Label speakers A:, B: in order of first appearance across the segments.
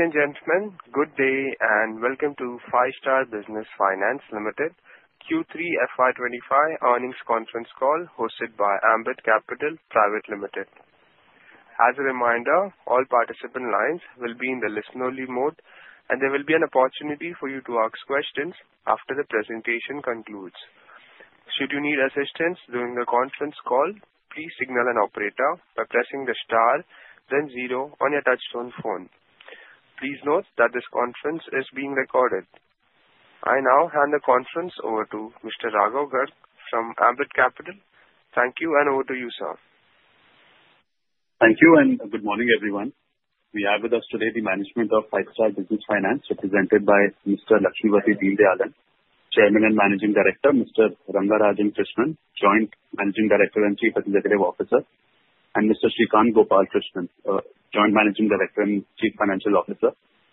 A: Ladies and gentlemen, good day and welcome to Five-Star Business Finance Limited Q3 FY25 earnings conference call hosted by Ambit Capital Private Limited. As a reminder, all participant lines will be in the listen-only mode, and there will be an opportunity for you to ask questions after the presentation concludes. Should you need assistance during the conference call, please signal an operator by pressing the star, then zero on your touch-tone phone. Please note that this conference is being recorded. I now hand the conference over to Mr. Raghav Garg from Ambit Capital. Thank you, and over to you, sir.
B: Thank you, and good morning, everyone. We have with us today the management of Five-Star Business Finance, represented by Mr. Lakshmipathy Deenadayalan, Chairman and Managing Director, Mr. Rangarajan Krishnan, Joint Managing Director and Chief Executive Officer, and Mr. Srikanth Gopalakrishnan, Joint Managing Director and Chief Financial Officer.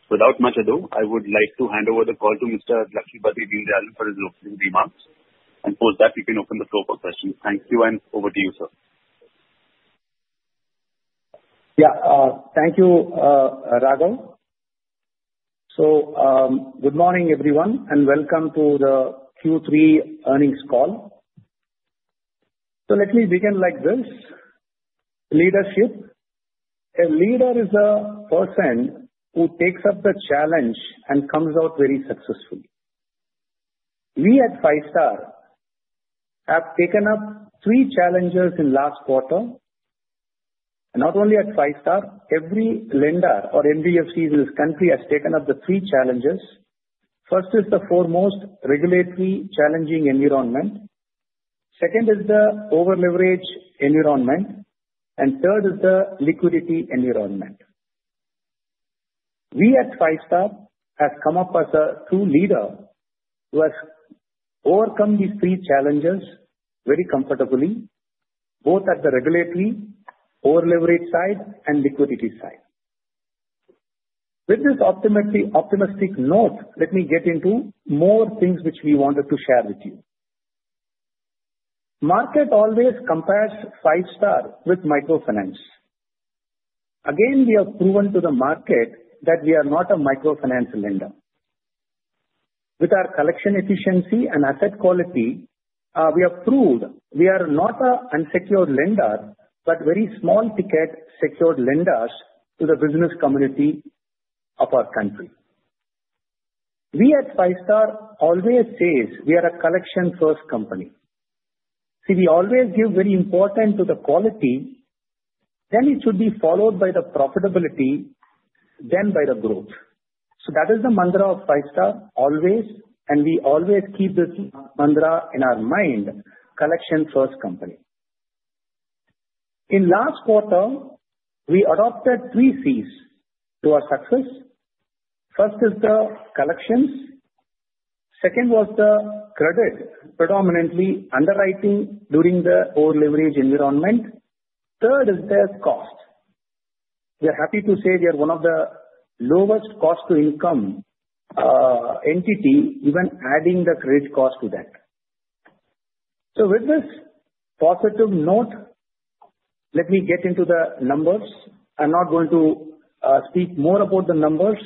B: Without much ado, I would like to hand over the call to Mr. Lakshmipathy Deenadayalan for his remarks, and for that, we can open the floor for questions. Thank you, and over to you, sir.
C: Yeah, thank you, Raghav. So good morning, everyone, and welcome to the Q3 earnings call. So let me begin like this: leadership. A leader is a person who takes up the challenge and comes out very successfully. We at Five-Star have taken up three challenges in the last quarter. Not only at Five-Star, every lender or NBFC in this country has taken up the three challenges. First is the foremost regulatory challenging environment. Second is the over-leverage environment. And third is the liquidity environment. We at Five-Star have come up as a true leader who has overcome these three challenges very comfortably, both at the regulatory, over-leverage side, and liquidity side. With this optimistic note, let me get into more things which we wanted to share with you. Market always compares Five-Star with microfinance. Again, we have proven to the market that we are not a microfinance lender. With our collection efficiency and asset quality, we have proved we are not an unsecured lender but very small-ticket secured lenders to the business community of our country. We at Five-Star always say we are a collection-first company. See, we always give very importance to the quality. Then it should be followed by the profitability, then by the growth. So that is the mantra of Five-Star always, and we always keep this mantra in our mind: collection-first company. In the last quarter, we adopted three Cs to our success. First is the collections. Second was the credit, predominantly underwriting during the over-leverage environment. Third is the cost. We are happy to say we are one of the lowest cost-to-income entities, even adding the credit cost to that. So with this positive note, let me get into the numbers. I'm not going to speak more about the numbers.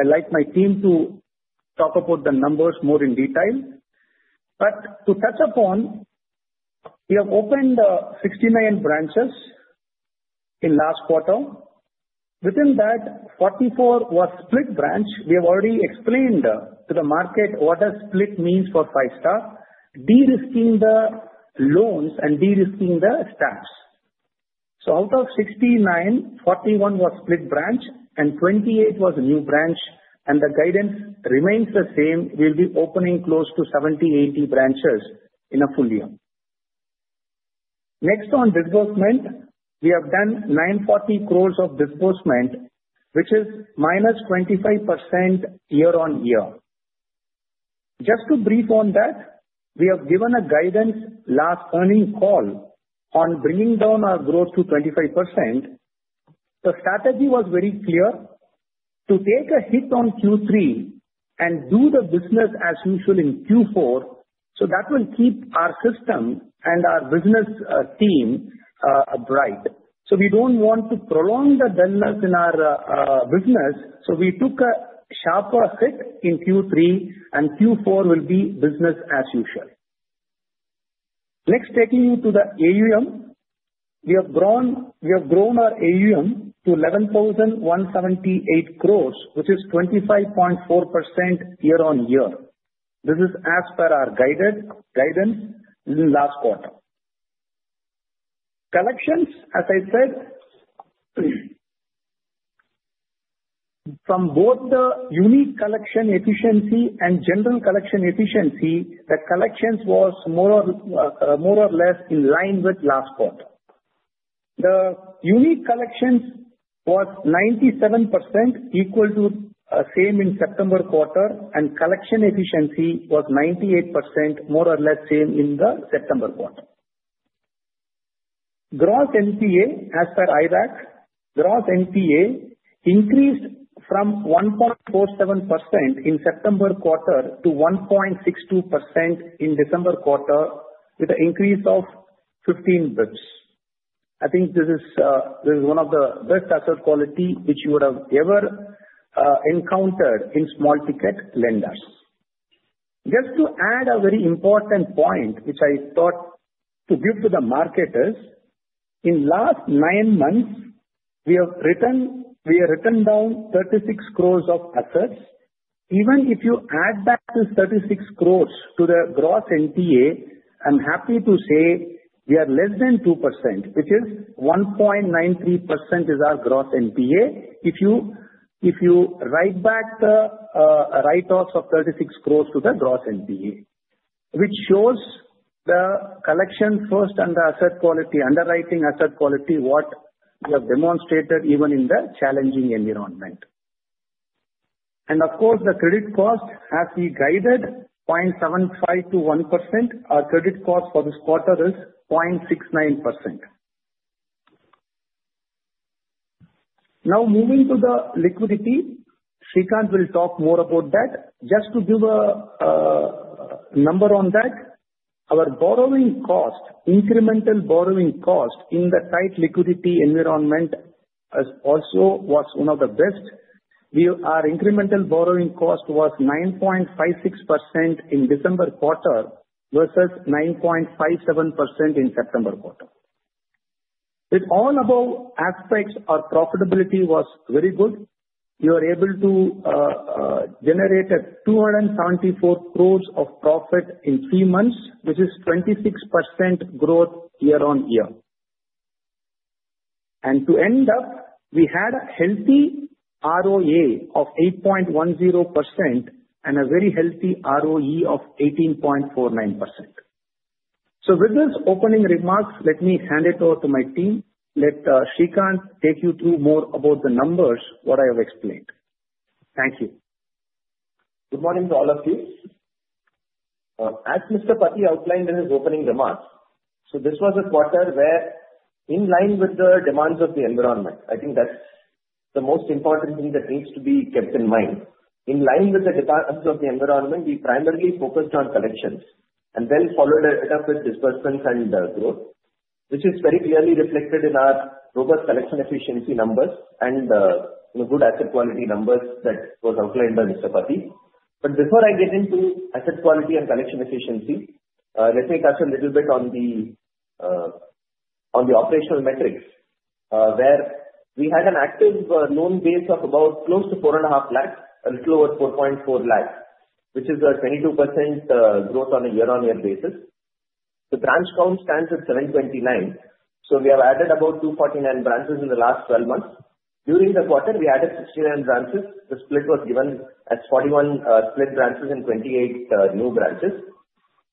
C: I'd like my team to talk about the numbers more in detail, but to touch upon, we have opened 69 branches in the last quarter. Within that, 44 were split branches. We have already explained to the market what a split means for Five-Star: de-risking the loans and de-risking the staffs, so out of 69, 41 were split branches, and 28 were new branches, and the guidance remains the same: we'll be opening close to 70, 80 branches in a full year. Next, on disbursement, we have done 940 crores of disbursement, which is minus 25% year on year. Just to brief on that, we have given a guidance last earnings call on bringing down our growth to 25%. The strategy was very clear: to take a hit on Q3 and do the business as usual in Q4 so that will keep our system and our business team bright. So we don't want to prolong the deadness in our business, so we took a sharper hit in Q3, and Q4 will be business as usual. Next, taking you to the AUM, we have grown our AUM to 11,178 crores, which is 25.4% year on year. This is as per our guidance in the last quarter. Collections, as I said, from both the unique collection efficiency and general collection efficiency, the collections were more or less in line with last quarter. The unique collections were 97% equal to the same in September quarter, and collection efficiency was 98%, more or less the same in the September quarter. Gross NPA, as per IRAC, Gross NPA increased from 1.47% in September quarter to 1.62% in December quarter, with an increase of 15 basis points. I think this is one of the best asset qualities which you would have ever encountered in small-ticket lenders. Just to add a very important point, which I thought to give to the marketers, in the last nine months, we have written down 36 crores of assets. Even if you add back the 36 crores to the Gross NPA, I'm happy to say we are less than 2%, which is 1.93% is our Gross NPA if you write back the write-offs of 36 crores to the Gross NPA, which shows the collection-first and the asset quality, underwriting asset quality, what we have demonstrated even in the challenging environment. And of course, the credit cost, as we guided, 0.75%-1%, our credit cost for this quarter is 0.69%. Now, moving to the liquidity, Srikanth will talk more about that. Just to give a number on that, our borrowing cost, incremental borrowing cost in the tight liquidity environment, also was one of the best. Our incremental borrowing cost was 9.56% in December quarter versus 9.57% in September quarter. With all above aspects, our profitability was very good. We were able to generate 274 crores of profit in three months, which is 26% growth year on year. And to end up, we had a healthy ROA of 8.10% and a very healthy ROE of 18.49%. So with these opening remarks, let me hand it over to my team. Let Srikanth take you through more about the numbers, what I have explained. Thank you.
D: Good morning to all of you. As Mr. Pathy outlined in his opening remarks, so this was a quarter where, in line with the demands of the environment, I think that's the most important thing that needs to be kept in mind. In line with the demands of the environment, we primarily focused on collections, and then followed it up with disbursements and growth, which is very clearly reflected in our robust collection efficiency numbers and good asset quality numbers that were outlined by Mr. Pathy. But before I get into asset quality and collection efficiency, let me touch a little bit on the operational metrics, where we had an active loan base of about close to 4.5 lakhs, a little over 4.4 lakhs, which is a 22% growth on a year-on-year basis. The branch count stands at 729, so we have added about 249 branches in the last 12 months. During the quarter, we added 69 branches. The split was given as 41 split branches and 28 new branches.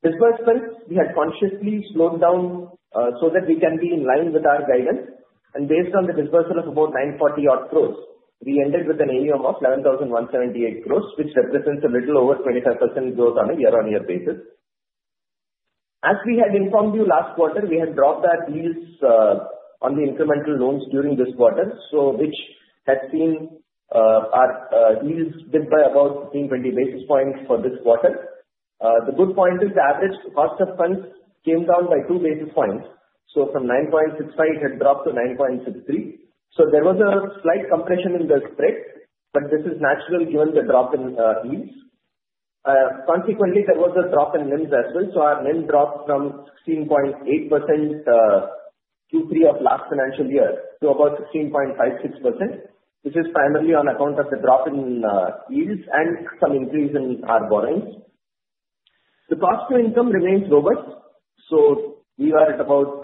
D: Disbursements, we had consciously slowed down so that we can be in line with our guidance, and based on the disbursement of about 940 crores, we ended with an AUM of 11,178 crores, which represents a little over 25% growth on a year-on-year basis. As we had informed you last quarter, we had dropped our yield on the incremental loans during this quarter, which had seen our yield dip by about 15-20 basis points for this quarter. The good point is the average cost of funds came down by 2 basis points, so from 9.65, it had dropped to 9.63. There was a slight compression in the spread, but this is natural given the drop in yields. Consequently, there was a drop in NIMs as well. Our NIM dropped from 16.8% Q3 of last financial year to about 16.56%, which is primarily on account of the drop in yields and some increase in our borrowings. The cost-to-income remains robust, so we are at about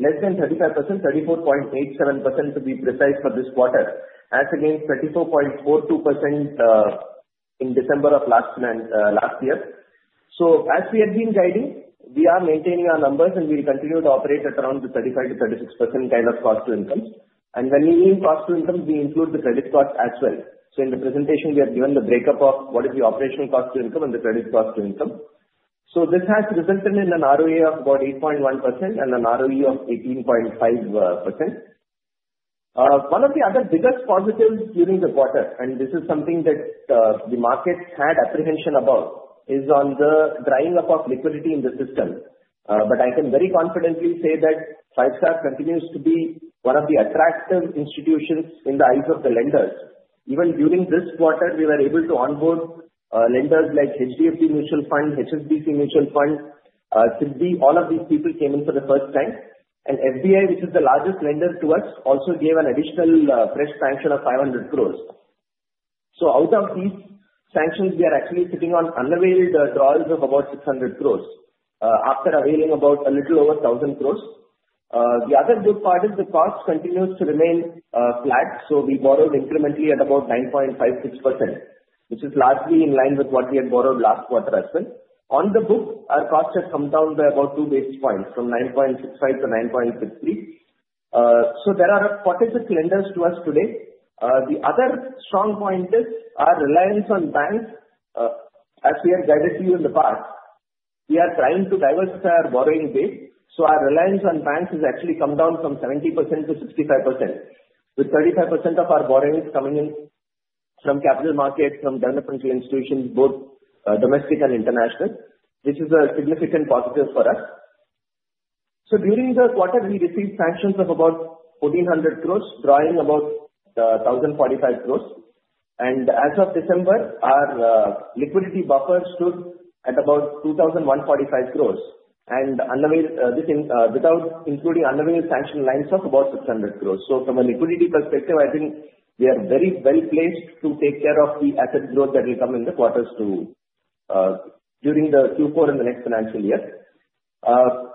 D: less than 35%, 34.87% to be precise for this quarter, as against 34.42% in December of last year. As we have been guiding, we are maintaining our numbers, and we will continue to operate at around the 35%-36% kind of cost-to-income. When we mean cost-to-income, we include the credit cost as well. In the presentation, we have given the breakup of what is the operational cost-to-income and the credit cost-to-income. So this has resulted in an ROE of about 8.1% and an ROE of 18.5%. One of the other biggest positives during the quarter, and this is something that the markets had apprehension about, is on the drying up of liquidity in the system. But I can very confidently say that Five-Star continues to be one of the attractive institutions in the eyes of the lenders. Even during this quarter, we were able to onboard lenders like HDFC Mutual Fund, HSBC Mutual Fund, SIDBI. All of these people came in for the first time. And SBI, which is the largest lender to us, also gave an additional fresh sanction of 500 crores. So out of these sanctions, we are actually sitting on unavailed drawals of about 600 crores after availing about a little over 1,000 crores. The other good part is the cost continues to remain flat, so we borrowed incrementally at about 9.56%, which is largely in line with what we had borrowed last quarter as well. On the book, our cost has come down by about 2 basis points from 9.65 to 9.63. So there are pockets of lenders to us today. The other strong point is our reliance on banks. As we have guided you in the past, we are trying to diversify our borrowing base. So our reliance on banks has actually come down from 70% to 65%, with 35% of our borrowings coming in from capital markets, from developmental institutions, both domestic and international, which is a significant positive for us. So during the quarter, we received sanctions of about 1,400 crores, drawing about 1,045 crores. As of December, our liquidity buffer stood at about 2,145 crores, without including unavailed sanction lines of about 600 crores. From a liquidity perspective, I think we are very well placed to take care of the asset growth that will come in the quarters during the Q4 and the next financial year.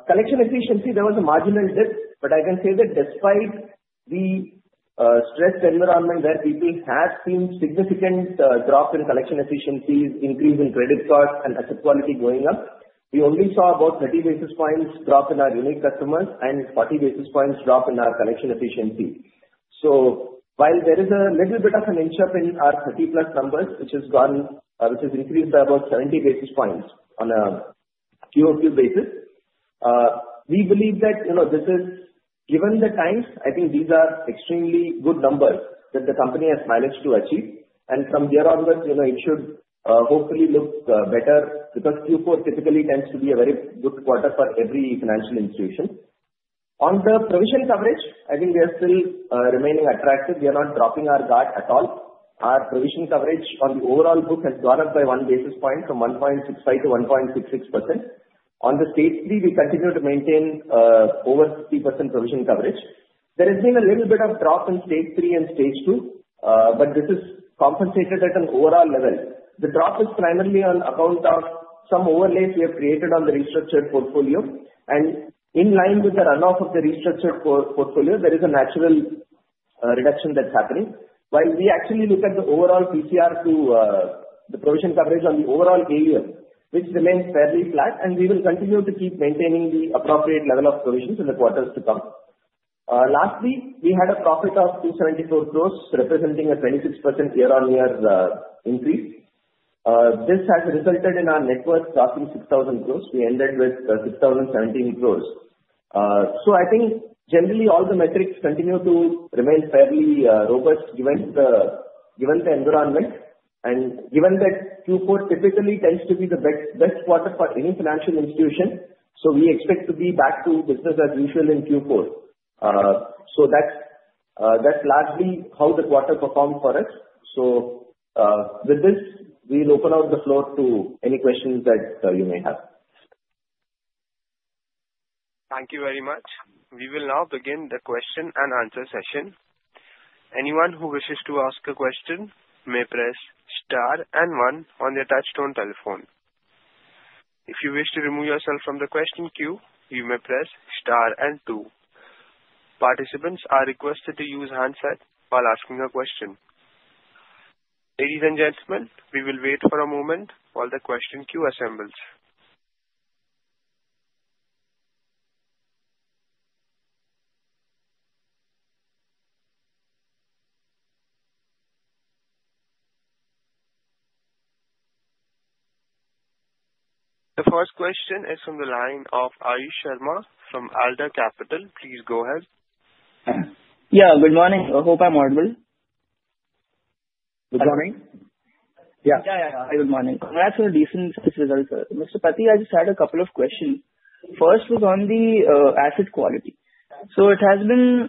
D: Collection efficiency, there was a marginal dip, but I can say that despite the stressed environment where people have seen significant drop in collection efficiencies, increase in credit costs, and asset quality going up, we only saw about 30 basis points drop in our unique customers and 40 basis points drop in our collection efficiency. So while there is a little bit of an inch up in our 30-plus numbers, which has increased by about 70 basis points on a Q-over-Q basis, we believe that this is, given the times, I think these are extremely good numbers that the company has managed to achieve. And from here onwards, it should hopefully look better because Q4 typically tends to be a very good quarter for every financial institution. On the provision coverage, I think we are still remaining attractive. We are not dropping our guard at all. Our provision coverage on the overall book has gone up by one basis point from 1.65% to 1.66%. On the Stage 3, we continue to maintain over 50% provision coverage. There has been a little bit of drop in Stage 3 and Stage 2, but this is compensated at an overall level. The drop is primarily on account of some overlays we have created on the restructured portfolio. And in line with the runoff of the restructured portfolio, there is a natural reduction that's happening. While we actually look at the overall PCR, the provision coverage on the overall AUM, which remains fairly flat, and we will continue to keep maintaining the appropriate level of provisions in the quarters to come. Lastly, we had a profit of 274 crores, representing a 26% year-on-year increase. This has resulted in our net worth crossing 6,000 crores. We ended with 6,017 crores. So I think, generally, all the metrics continue to remain fairly robust given the environment and given that Q4 typically tends to be the best quarter for any financial institution. So we expect to be back to business as usual in Q4. So that's largely how the quarter performed for us. So with this, we'll open up the floor to any questions that you may have.
A: Thank you very much. We will now begin the question and answer session. Anyone who wishes to ask a question may press star and one on the touch-tone telephone. If you wish to remove yourself from the question queue, you may press star and two. Participants are requested to use handset while asking a question. Ladies and gentlemen, we will wait for a moment while the question queue assembles. The first question is from the line of Ayush Sharma from Alder Capital. Please go ahead.
E: Yeah, good morning. I hope I'm audible. Good morning.
F: Yeah.
D: Yeah, yeah, yeah.
E: Hi, good morning. Congrats on the decent results. Mr. Pathy, I just had a couple of questions. First was on the asset quality, so it has been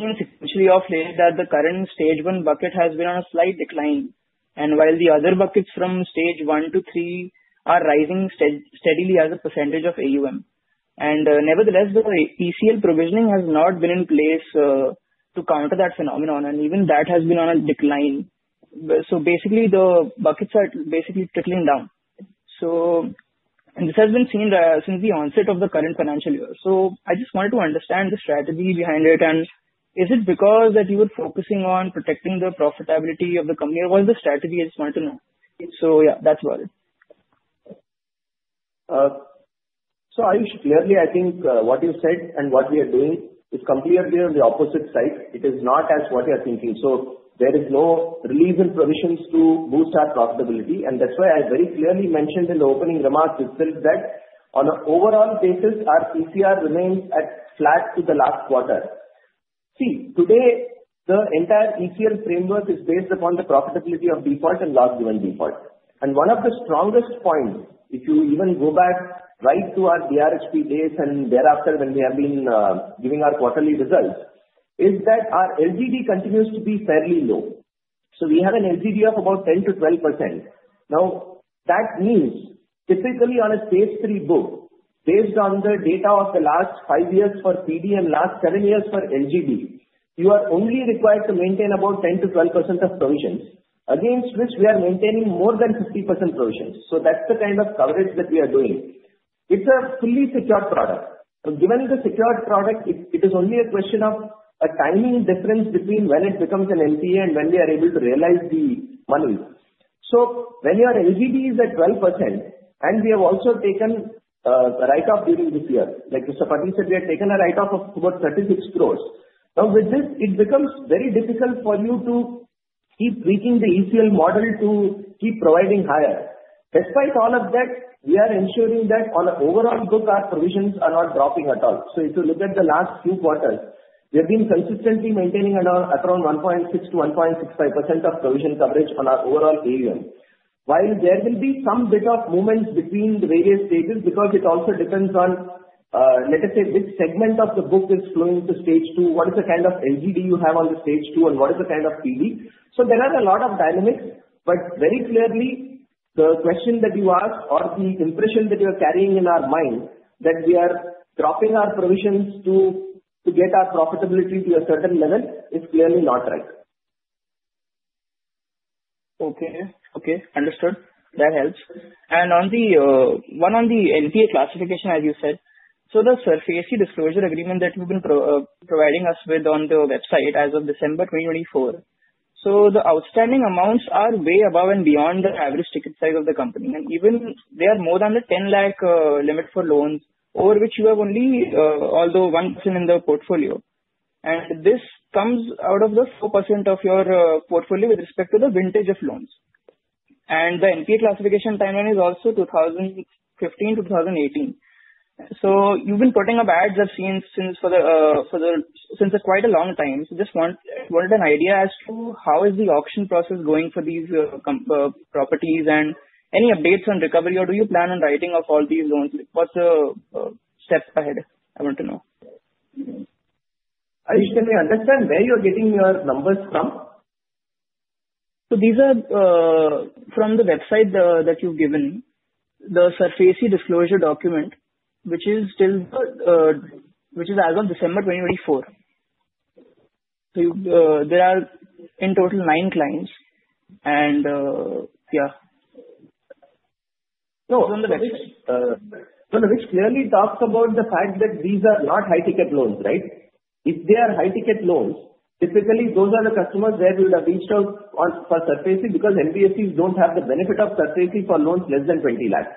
E: essentially of late that the current Stage 1 bucket has been on a slight decline, and while the other buckets from Stage 1 to Stage 3 are rising steadily as a percentage of AUM, and nevertheless, the ECL provisioning has not been in place to counter that phenomenon, and even that has been on a decline, so basically, the buckets are basically trickling down, and this has been seen since the onset of the current financial year, so I just wanted to understand the strategy behind it, and is it because that you were focusing on protecting the profitability of the company? What was the strategy? I just wanted to know, so yeah, that's about it.
D: Ayush, clearly, I think what you said and what we are doing is completely on the opposite side. It is not as what you are thinking. There is no relief in provisions to boost our profitability. And that's why I very clearly mentioned in the opening remarks itself that on an overall basis, our PCR remains at flat to the last quarter. See, today, the entire ECL framework is based upon the probability of default and loss given default. And one of the strongest points, if you even go back right to our DRHP days and thereafter when we have been giving our quarterly results, is that our LGD continues to be fairly low. We have an LGD of about 10%-12%. Now, that means typically on a Stage 3 book, based on the data of the last five years for PD and last seven years for LGD, you are only required to maintain about 10%-12% of provisions. Against which, we are maintaining more than 50% provisions. So that's the kind of coverage that we are doing. It's a fully secured product. Given the secured product, it is only a question of a timing difference between when it becomes an NPA and when we are able to realize the money. So when your LGD is at 12%, and we have also taken a write-off during this year, like Mr. Pathy said, we have taken a write-off of about 36 crores. Now, with this, it becomes very difficult for you to keep tweaking the ECL model to keep providing higher. Despite all of that, we are ensuring that on an overall book, our provisions are not dropping at all. So if you look at the last few quarters, we have been consistently maintaining at around 1.6%-1.65% provision coverage on our overall AUM, while there will be some bit of movement between the various stages because it also depends on, let us say, which segment of the book is flowing to Stage 2, what is the kind of LGD you have on the Stage 2, and what is the kind of PD. So there are a lot of dynamics. But very clearly, the question that you asked or the impression that you are carrying in our mind that we are dropping our provisions to get our profitability to a certain level is clearly not right.
E: Okay. Okay. Understood. That helps. And one on the NPA classification, as you said. So the subset disclosure agreement that you've been providing us with on the website as of December 2024, so the outstanding amounts are way above and beyond the average ticket size of the company. And even they are more than the 10 lakh limit for loans, over which you have only, although 1% in the portfolio. And this comes out of the 4% of your portfolio with respect to the vintage of loans. And the NPA classification timeline is also 2015, 2018. So you've been putting up ads I've seen since quite a long time. So just wanted an idea as to how is the auction process going for these properties and any updates on recovery, or do you plan on writing off all these loans? What's the step ahead? I want to know.
D: Ayush, can you understand where you're getting your numbers from?
E: So these are from the website that you've given me, the investor disclosure document, which is still as of December 2024. So there are in total nine clients. And yeah.
D: Which clearly talks about the fact that these are not high-ticket loans, right? If they are high-ticket loans, typically those are the customers where we would have reached out for SARFAESI because MFIs don't have the benefit of SARFAESI for loans less than 20 lakhs.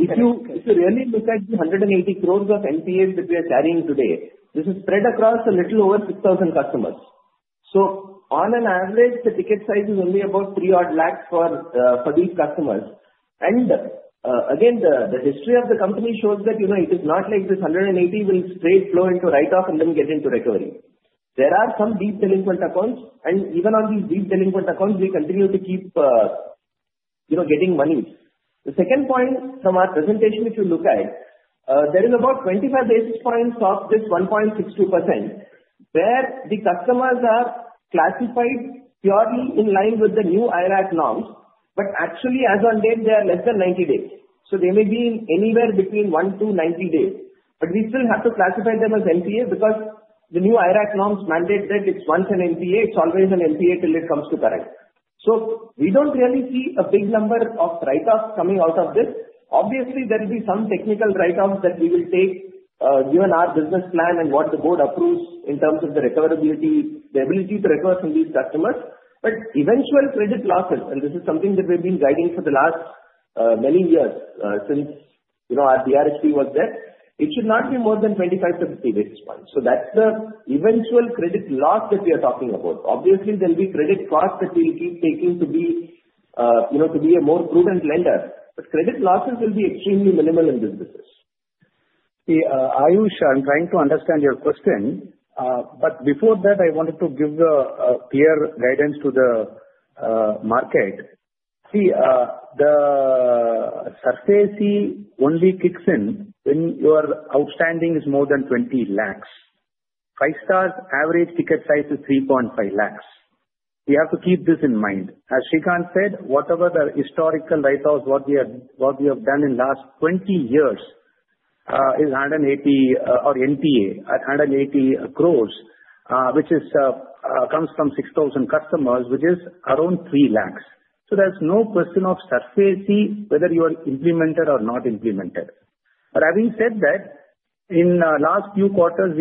D: If you really look at the 180 crores of NPAs that we are carrying today, this is spread across a little over 6,000 customers. On an average, the ticket size is only about three odd lakhs for these customers. Again, the history of the company shows that it is not like this 180 will straight flow into write-off and then get into recovery. There are some deep delinquent accounts. Even on these deep delinquent accounts, we continue to keep getting money. The second point from our presentation, if you look at, there is about 25 basis points of this 1.62% where the customers are classified purely in line with the new IRAC norms. But actually, as on date, they are less than 90 days. So they may be anywhere between 1-90 days. But we still have to classify them as NPA because the new IRAC norms mandate that it's once an NPA, it's always an NPA till it comes to current. So we don't really see a big number of write-offs coming out of this. Obviously, there will be some technical write-offs that we will take given our business plan and what the Board approves in terms of the recoverability, the ability to recover from these customers. But eventual credit losses, and this is something that we've been guiding for the last many years since our DRHP was there. It should not be more than 25 to 50 basis points. So that's the eventual credit loss that we are talking about. Obviously, there will be credit costs that we'll keep taking to be a more prudent lender. But credit losses will be extremely minimal in businesses. See, Ayush, I'm trying to understand your question. But before that, I wanted to give a clear guidance to the market. See, the SARFAESI only kicks in when your outstanding is more than 20 lakhs. Five-Star's average ticket size is 3.5 lakhs. We have to keep this in mind. As Srikanth said, whatever the historical write-offs, what we have done in the last 20 years is 1.8% NPA at 180 crores, which comes from 6,000 customers, which is around 3 lakhs. So there's no question of SARFAESI, whether you are implemented or not implemented. But having said that, in the last few quarters,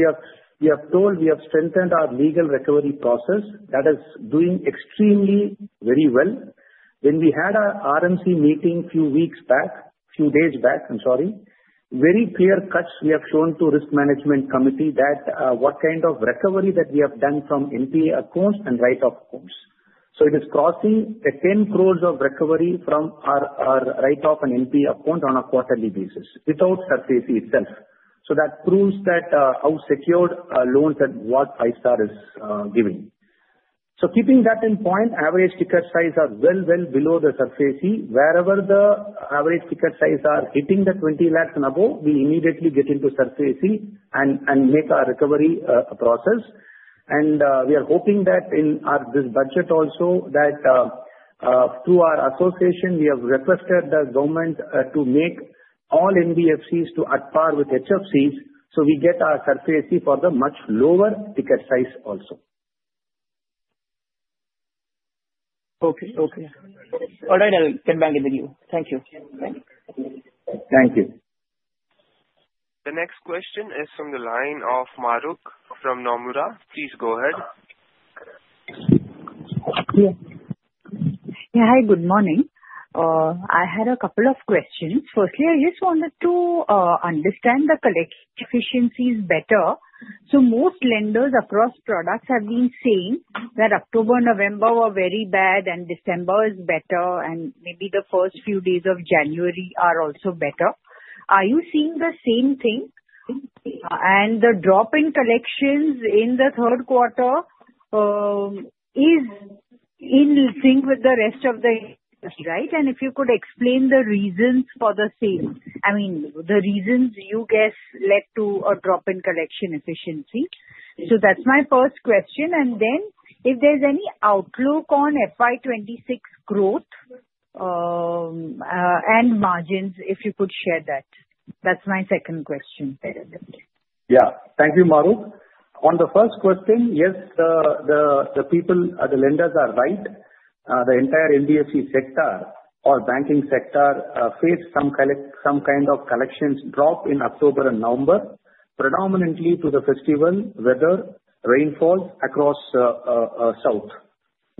D: we have told we have strengthened our legal recovery process that is doing extremely very well. When we had our RMC meeting a few weeks back, a few days back, I'm sorry, very clear cuts we have shown to the Risk Management Committee that what kind of recovery that we have done from NPA accounts and write-off accounts. So it is crossing 10 crores of recovery from our write-off and NPA account on a quarterly basis without SARFAESI itself. So that proves how secured loans that what Five-Star is giving. Keeping that in mind, average ticket size are well below the SARFAESI. Wherever the average ticket size are hitting the 20 lakhs and above, we immediately get into SARFAESI and make our recovery process. We are hoping that in this Budget also, that through our association, we have requested the government to make all NBFCs at par with HFCs so we get our SARFAESI for the much lower ticket size also.
E: Okay. Okay. All right. I'll get back in the queue. Thank you. Bye.
D: Thank you.
A: The next question is from the line of Mahrukh from Nomura. Please go ahead.
G: Yeah. Hi, good morning. I had a couple of questions. Firstly, I just wanted to understand the collection efficiencies better. So most lenders across products have been saying that October, November were very bad and December is better, and maybe the first few days of January are also better. Are you seeing the same thing? And the drop in collections in the third quarter is in sync with the rest of the year, right? And if you could explain the reasons for the same, I mean, the reasons you guess led to a drop in collection efficiency. So that's my first question. And then if there's any outlook on FY26 growth and margins, if you could share that. That's my second question.
D: Yeah. Thank you, Mahrukh. On the first question, yes, the people, the lenders are right. The entire NBFC sector or banking sector faced some kind of collections drop in October and November, predominantly due to the festival weather, rainfall across the south.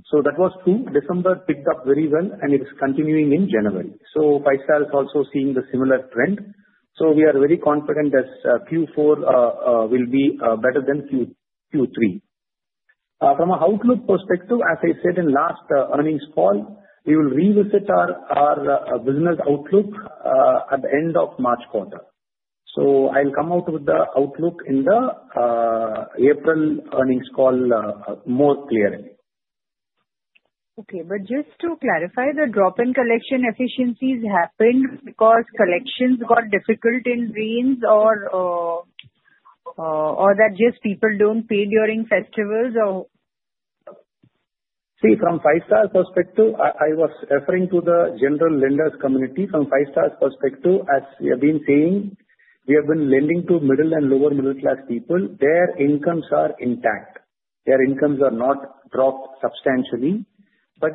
D: So that was true. December picked up very well, and it is continuing in January. So Five-Star is also seeing the similar trend. So we are very confident that Q4 will be better than Q3. From an outlook perspective, as I said in last earnings call, we will revisit our business outlook at the end of March quarter. So I'll come out with the outlook in the April earnings call more clearly.
G: Okay. But just to clarify, the drop in collection efficiencies happened because collections got difficult in rains or that just people don't pay during festivals or?
D: See, from Five-Star perspective, I was referring to the general lenders community. From Five-Star perspective, as we have been saying, we have been lending to middle and lower middle-class people. Their incomes are intact. Their incomes are not dropped substantially, but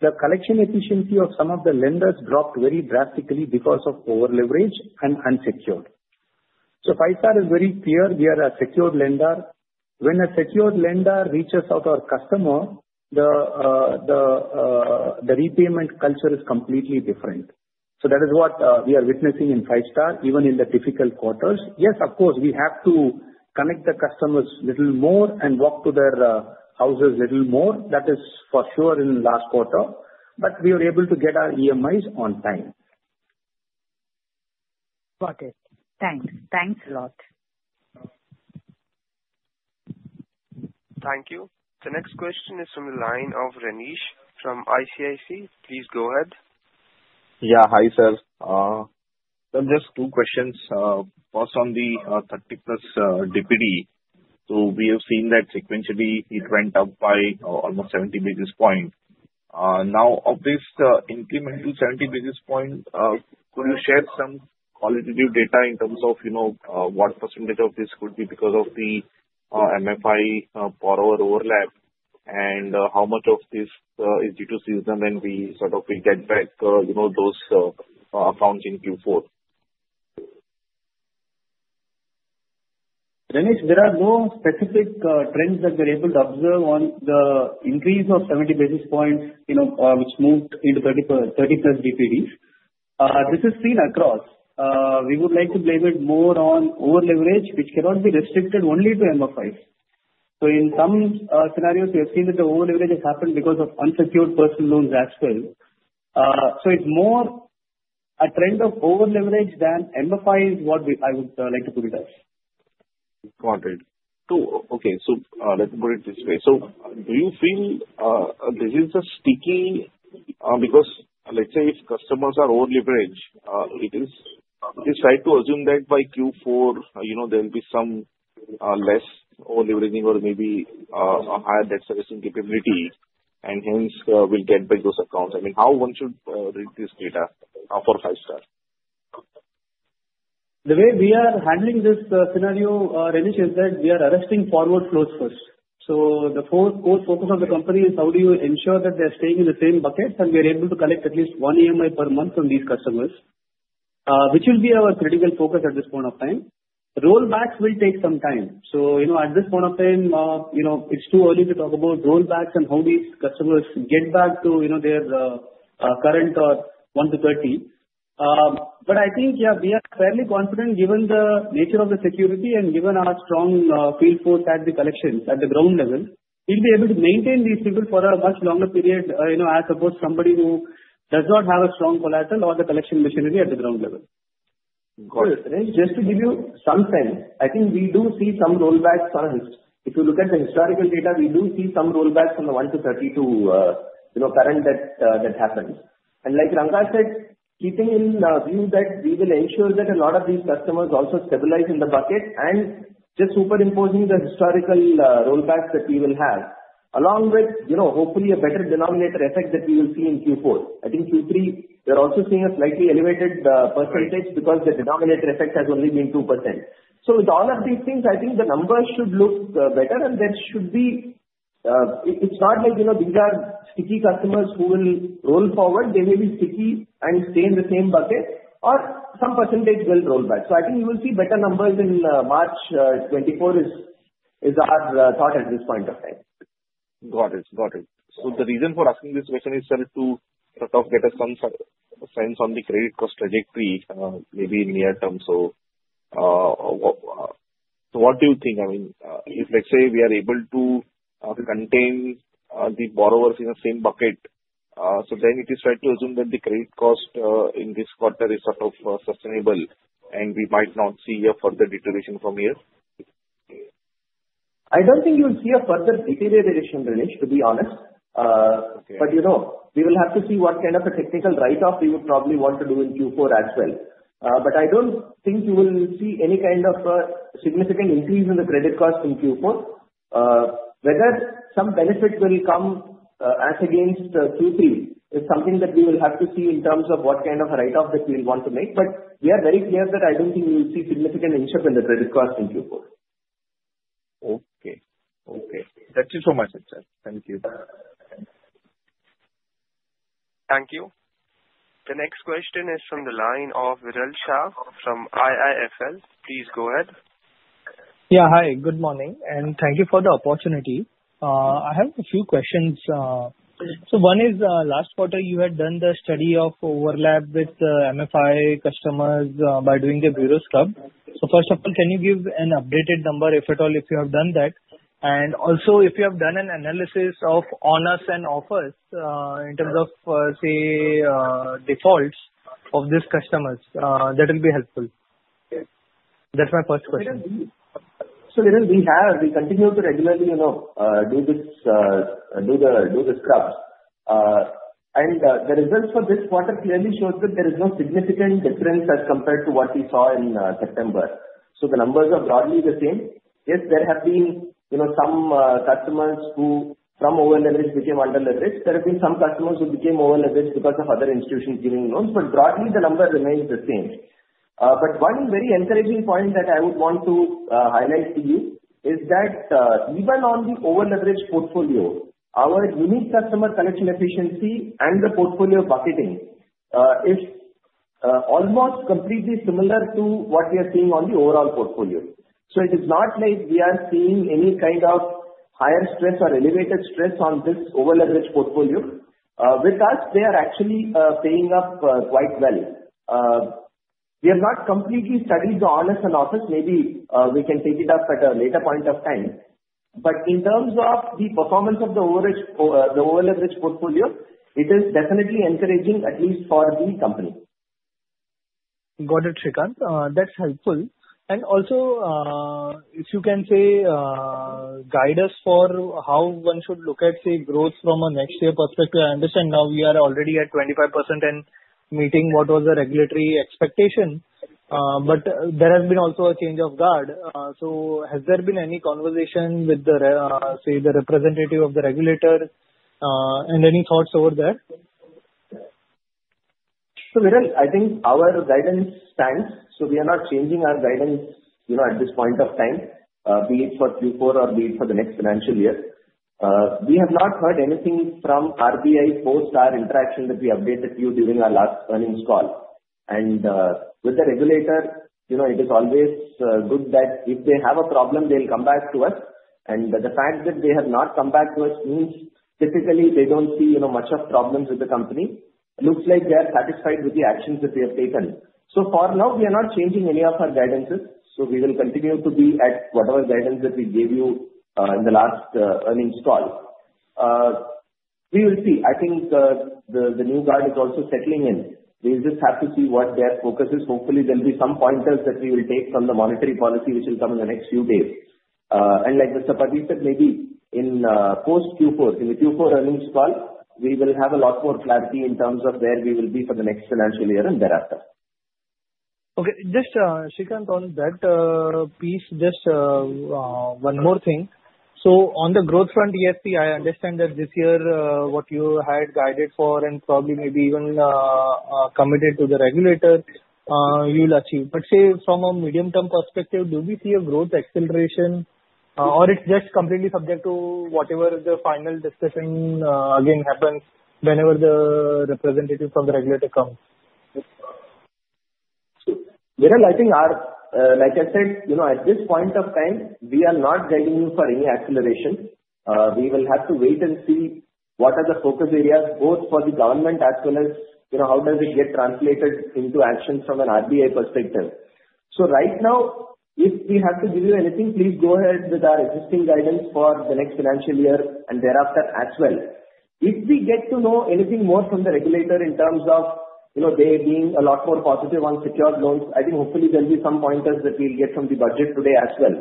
D: the collection efficiency of some of the lenders dropped very drastically because of over-leverage and unsecured, so Five-Star is very clear. We are a secured lender. When a secured lender reaches out to our customer, the repayment culture is completely different, so that is what we are witnessing in Five-Star, even in the difficult quarters. Yes, of course, we have to connect the customers a little more and walk to their houses a little more. That is for sure in the last quarter, but we were able to get our EMIs on time.
G: Got it. Thanks. Thanks a lot.
A: Thank you. The next question is from the line of Renish from ICICI Securities. Please go ahead.
H: Yeah. Hi, sir. Just two questions. First, on the 30-plus DPD, so we have seen that sequentially it went up by almost 70 basis points. Now, of this incremental 70 basis points, could you share some qualitative data in terms of what percentage of this could be because of the MFI forward overlap? And how much of this is due to season when we sort of get back those accounts in Q4?
D: Renish, there are no specific trends that we're able to observe on the increase of 70 basis points which moved into 30-plus DPDs. This is seen across. We would like to blame it more on over-leverage, which cannot be restricted only to MFIs. So in some scenarios, we have seen that the over-leverage has happened because of unsecured personal loans as well. So it's more a trend of over-leverage than MFI is what I would like to put it as.
H: Got it. Okay. So let me put it this way. So do you feel this is a sticky? Because let's say if customers are over-leveraged, it is tried to assume that by Q4 there will be some less over-leveraging or maybe a higher debt servicing capability, and hence we'll get back those accounts. I mean, how one should read this data for Five-Star?
D: The way we are handling this scenario, Renish, is that we are arresting forward flows first. So the core focus of the company is how do you ensure that they're staying in the same buckets and we're able to collect at least one EMI per month from these customers, which will be our critical focus at this point of time. Rollbacks will take some time. So at this point of time, it's too early to talk about rollbacks and how these customers get back to their current 1 to 30. But I think, yeah, we are fairly confident given the nature of the security and given our strong field force at the collection, at the ground level, we'll be able to maintain these people for a much longer period as opposed to somebody who does not have a strong collateral or the collection machinery at the ground level. Just to give you some sense, I think we do see some rollbacks for us. If you look at the historical data, we do see some rollbacks from the 1 to 30 to current DPD that happens. And like Rangarajan said, keeping in view that we will ensure that a lot of these customers also stabilize in the bucket and just superimposing the historical rollbacks that we will have, along with hopefully a better denominator effect that we will see in Q4. I think Q3, we are also seeing a slightly elevated percentage because the denominator effect has only been 2%. With all of these things, I think the numbers should look better, and there should be. It's not like these are sticky customers who will roll forward. They may be sticky and stay in the same bucket, or some percentage will roll back. I think you will see better numbers in March 2024 is our thought at this point of time.
H: Got it. Got it. So the reason for asking this question is just to sort of get us some sense on the credit cost trajectory maybe in near term. So what do you think? I mean, if let's say we are able to contain the borrowers in the same bucket, so then it is fair to assume that the credit cost in this quarter is sort of sustainable, and we might not see a further deterioration from here.
D: I don't think you'll see a further deterioration, Renish, to be honest, but we will have to see what kind of a technical write-off we would probably want to do in Q4 as well, but I don't think you will see any kind of significant increase in the credit cost in Q4. Whether some benefit will come as against Q3 is something that we will have to see in terms of what kind of write-off that we'll want to make, but we are very clear that I don't think we'll see significant inch up in the credit cost in Q4.
H: Okay. Okay. Thank you so much, sir. Thank you.
A: Thank you. The next question is from the line of Viral Shah from IIFL. Please go ahead.
I: Yeah. Hi. Good morning. And thank you for the opportunity. I have a few questions. So one is last quarter, you had done the study of overlap with MFI customers by doing a Bureau Scrub. So first of all, can you give an updated number, if at all, if you have done that? And also, if you have done an analysis of on-us and off-us in terms of, say, defaults of these customers, that will be helpful. That's my first question.
D: So Viral, we continue to regularly do the scrubs, and the results for this quarter clearly show that there is no significant difference as compared to what we saw in September, so the numbers are broadly the same. Yes, there have been some customers who from over-leverage became under-leverage. There have been some customers who became over-leverage because of other institutions giving loans, but broadly, the number remains the same, but one very encouraging point that I would want to highlight to you is that even on the over-leverage portfolio, our unique customer collection efficiency and the portfolio bucketing is almost completely similar to what we are seeing on the overall portfolio, so it is not like we are seeing any kind of higher stress or elevated stress on this over-leverage portfolio. With us, they are actually paying up quite well. We have not completely studied the on-us and off-us. Maybe we can take it up at a later point of time. But in terms of the performance of the over-leveraged portfolio, it is definitely encouraging, at least for the company.
I: Got it, Srikanth. That's helpful. And also, if you can say, guide us for how one should look at, say, growth from a next-year perspective. I understand now we are already at 25% and meeting what was the regulatory expectation. But there has been also a change of guard. So has there been any conversation with the, say, the representative of the regulator and any thoughts over there?
D: So Viral, I think our guidance stands. So we are not changing our guidance at this point of time, be it for Q4 or be it for the next financial year. We have not heard anything from RBI post our interaction that we updated you during our last earnings call. And with the regulator, it is always good that if they have a problem, they'll come back to us. And the fact that they have not come back to us means typically they don't see much of problems with the company. Looks like they are satisfied with the actions that they have taken. So for now, we are not changing any of our guidances. So we will continue to be at whatever guidance that we gave you in the last earnings call. We will see. I think the new guard is also settling in. We'll just have to see what their focus is. Hopefully, there'll be some pointers that we will take from the monetary policy, which will come in the next few days, and like Mr. Pathy said, maybe in post-Q4, in the Q4 earnings call, we will have a lot more clarity in terms of where we will be for the next financial year and thereafter.
I: Okay. Just Srikanth on that piece, just one more thing. So on the growth front, yes, I understand that this year what you had guided for and probably maybe even committed to the regulator, you'll achieve. But say from a medium-term perspective, do we see a growth acceleration, or it's just completely subject to whatever the final discussion again happens whenever the representative from the regulator comes?
D: Viral, I think, like I said, at this point of time, we are not guiding you for any acceleration. We will have to wait and see what are the focus areas both for the government as well as how does it get translated into action from an RBI perspective. So right now, if we have to give you anything, please go ahead with our existing guidance for the next financial year and thereafter as well. If we get to know anything more from the regulator in terms of they being a lot more positive on secured loans, I think hopefully there'll be some pointers that we'll get from the Budget today as well.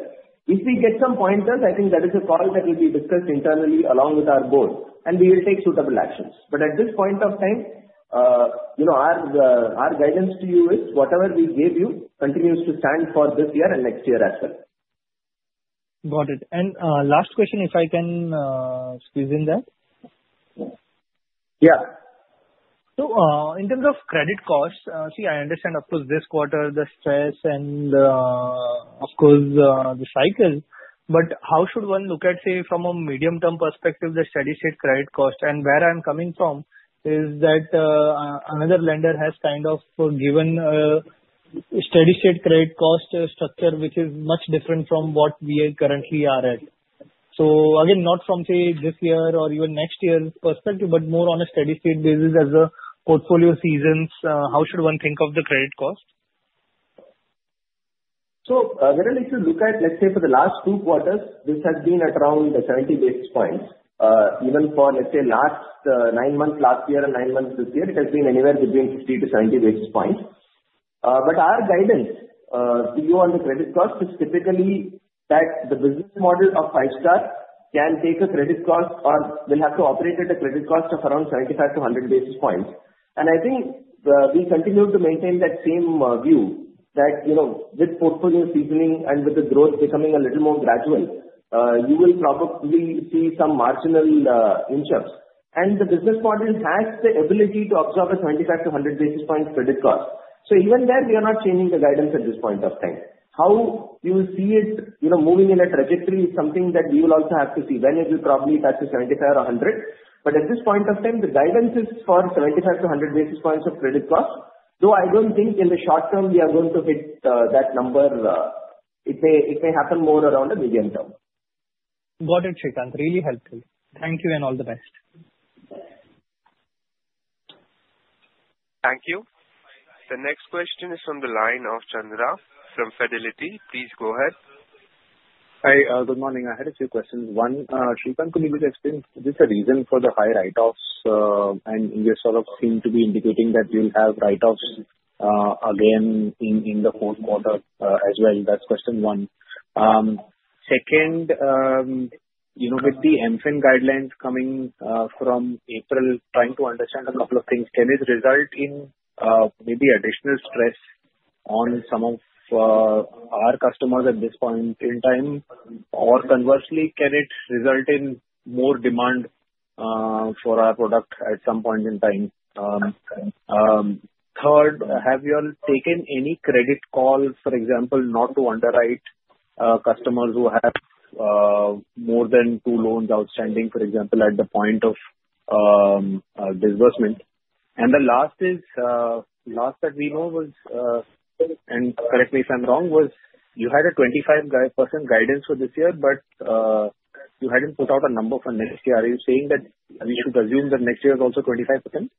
D: If we get some pointers, I think that is a call that will be discussed internally along with our Board, and we will take suitable actions. But at this point of time, our guidance to you is whatever we gave you continues to stand for this year and next year as well.
I: Got it. And last question, if I can squeeze in that?
D: Yeah.
I: So in terms of credit costs, see, I understand, of course, this quarter, the stress and, of course, the cycles. But how should one look at, say, from a medium-term perspective, the steady-state credit cost? And where I'm coming from is that another lender has kind of given a steady-state credit cost structure which is much different from what we currently are at. So again, not from, say, this year or even next year's perspective, but more on a steady-state basis as a portfolio seasons, how should one think of the credit cost?
D: So Viral, if you look at, let's say, for the last two quarters, this has been at around 70 basis points. Even for, let's say, last nine months last year and nine months this year, it has been anywhere between 50 to 70 basis points. But our guidance to you on the credit cost is typically that the business model of Five-Star can take a credit cost or will have to operate at a credit cost of around 75 to 100 basis points. And I think we continue to maintain that same view that with portfolio seasoning and with the growth becoming a little more gradual, you will probably see some marginal inch ups. And the business model has the ability to absorb a 75 to 100 basis point credit cost. So even there, we are not changing the guidance at this point of time. How you will see it moving in a trajectory is something that we will also have to see. When it will probably touch 75 or 100. But at this point of time, the guidance is for 75-100 basis points of credit cost. Though I don't think in the short term we are going to hit that number. It may happen more around a medium term.
I: Got it, Srikanth. Really helpful. Thank you and all the best.
A: Thank you. The next question is from the line of Chandra from Fidelity. Please go ahead.
J: Hi. Good morning. I had a few questions. One, Srikanth, could you just explain just the reason for the high write-offs? And you sort of seem to be indicating that you'll have write-offs again in the fourth quarter as well. That's question one. Second, with the MFIN guidelines coming from April, trying to understand a couple of things. Can it result in maybe additional stress on some of our customers at this point in time? Or conversely, can it result in more demand for our product at some point in time? Third, have you all taken any credit call, for example, not to underwrite customers who have more than two loans outstanding, for example, at the point of disbursement? And the last that we know was, and correct me if I'm wrong, was you had a 25% guidance for this year, but you hadn't put out a number for next year. Are you saying that we should assume that next year is also 25%?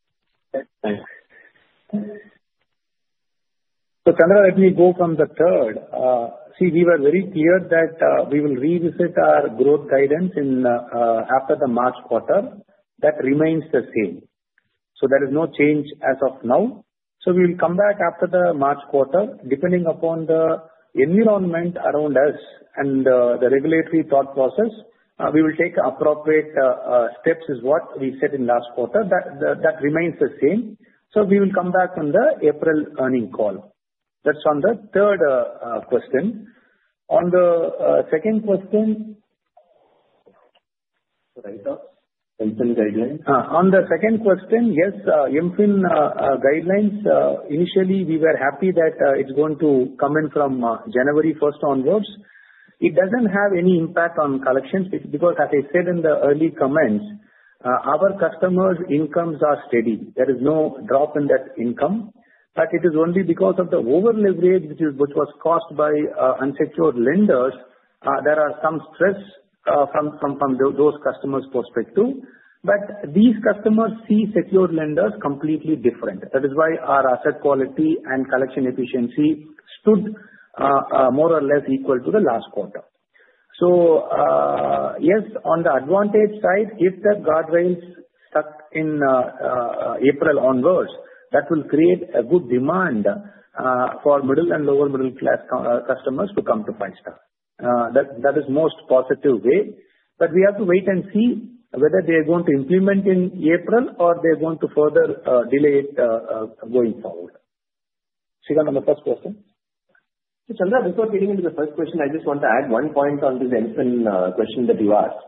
D: So Chandra, let me go from the third. See, we were very clear that we will revisit our growth guidance after the March quarter. That remains the same. So there is no change as of now. So we will come back after the March quarter, depending upon the environment around us and the regulatory thought process, we will take appropriate steps is what we said in last quarter. That remains the same. So we will come back on the April earnings call. That's on the third question. On the second question. Write-offs? MFIN guidelines? On the second question, yes, MFIN guidelines. Initially, we were happy that it's going to come in from January 1st onwards. It doesn't have any impact on collections because, as I said in the early comments, our customers' incomes are steady. There is no drop in that income, but it is only because of the over-leverage, which was caused by unsecured lenders. There are some stress from those customers' perspective, but these customers see secured lenders completely different. That is why our asset quality and collection efficiency stood more or less equal to the last quarter, so yes, on the advantage side, if the guardrails stuck in April onwards, that will create a good demand for middle and lower middle-class customers to come to Five-Star. That is the most positive way. But we have to wait and see whether they are going to implement in April or they are going to further delay it going forward.
J: Srikanth, on the first question.
D: Chandra, before getting into the first question, I just want to add one point on this MFIN question that you asked.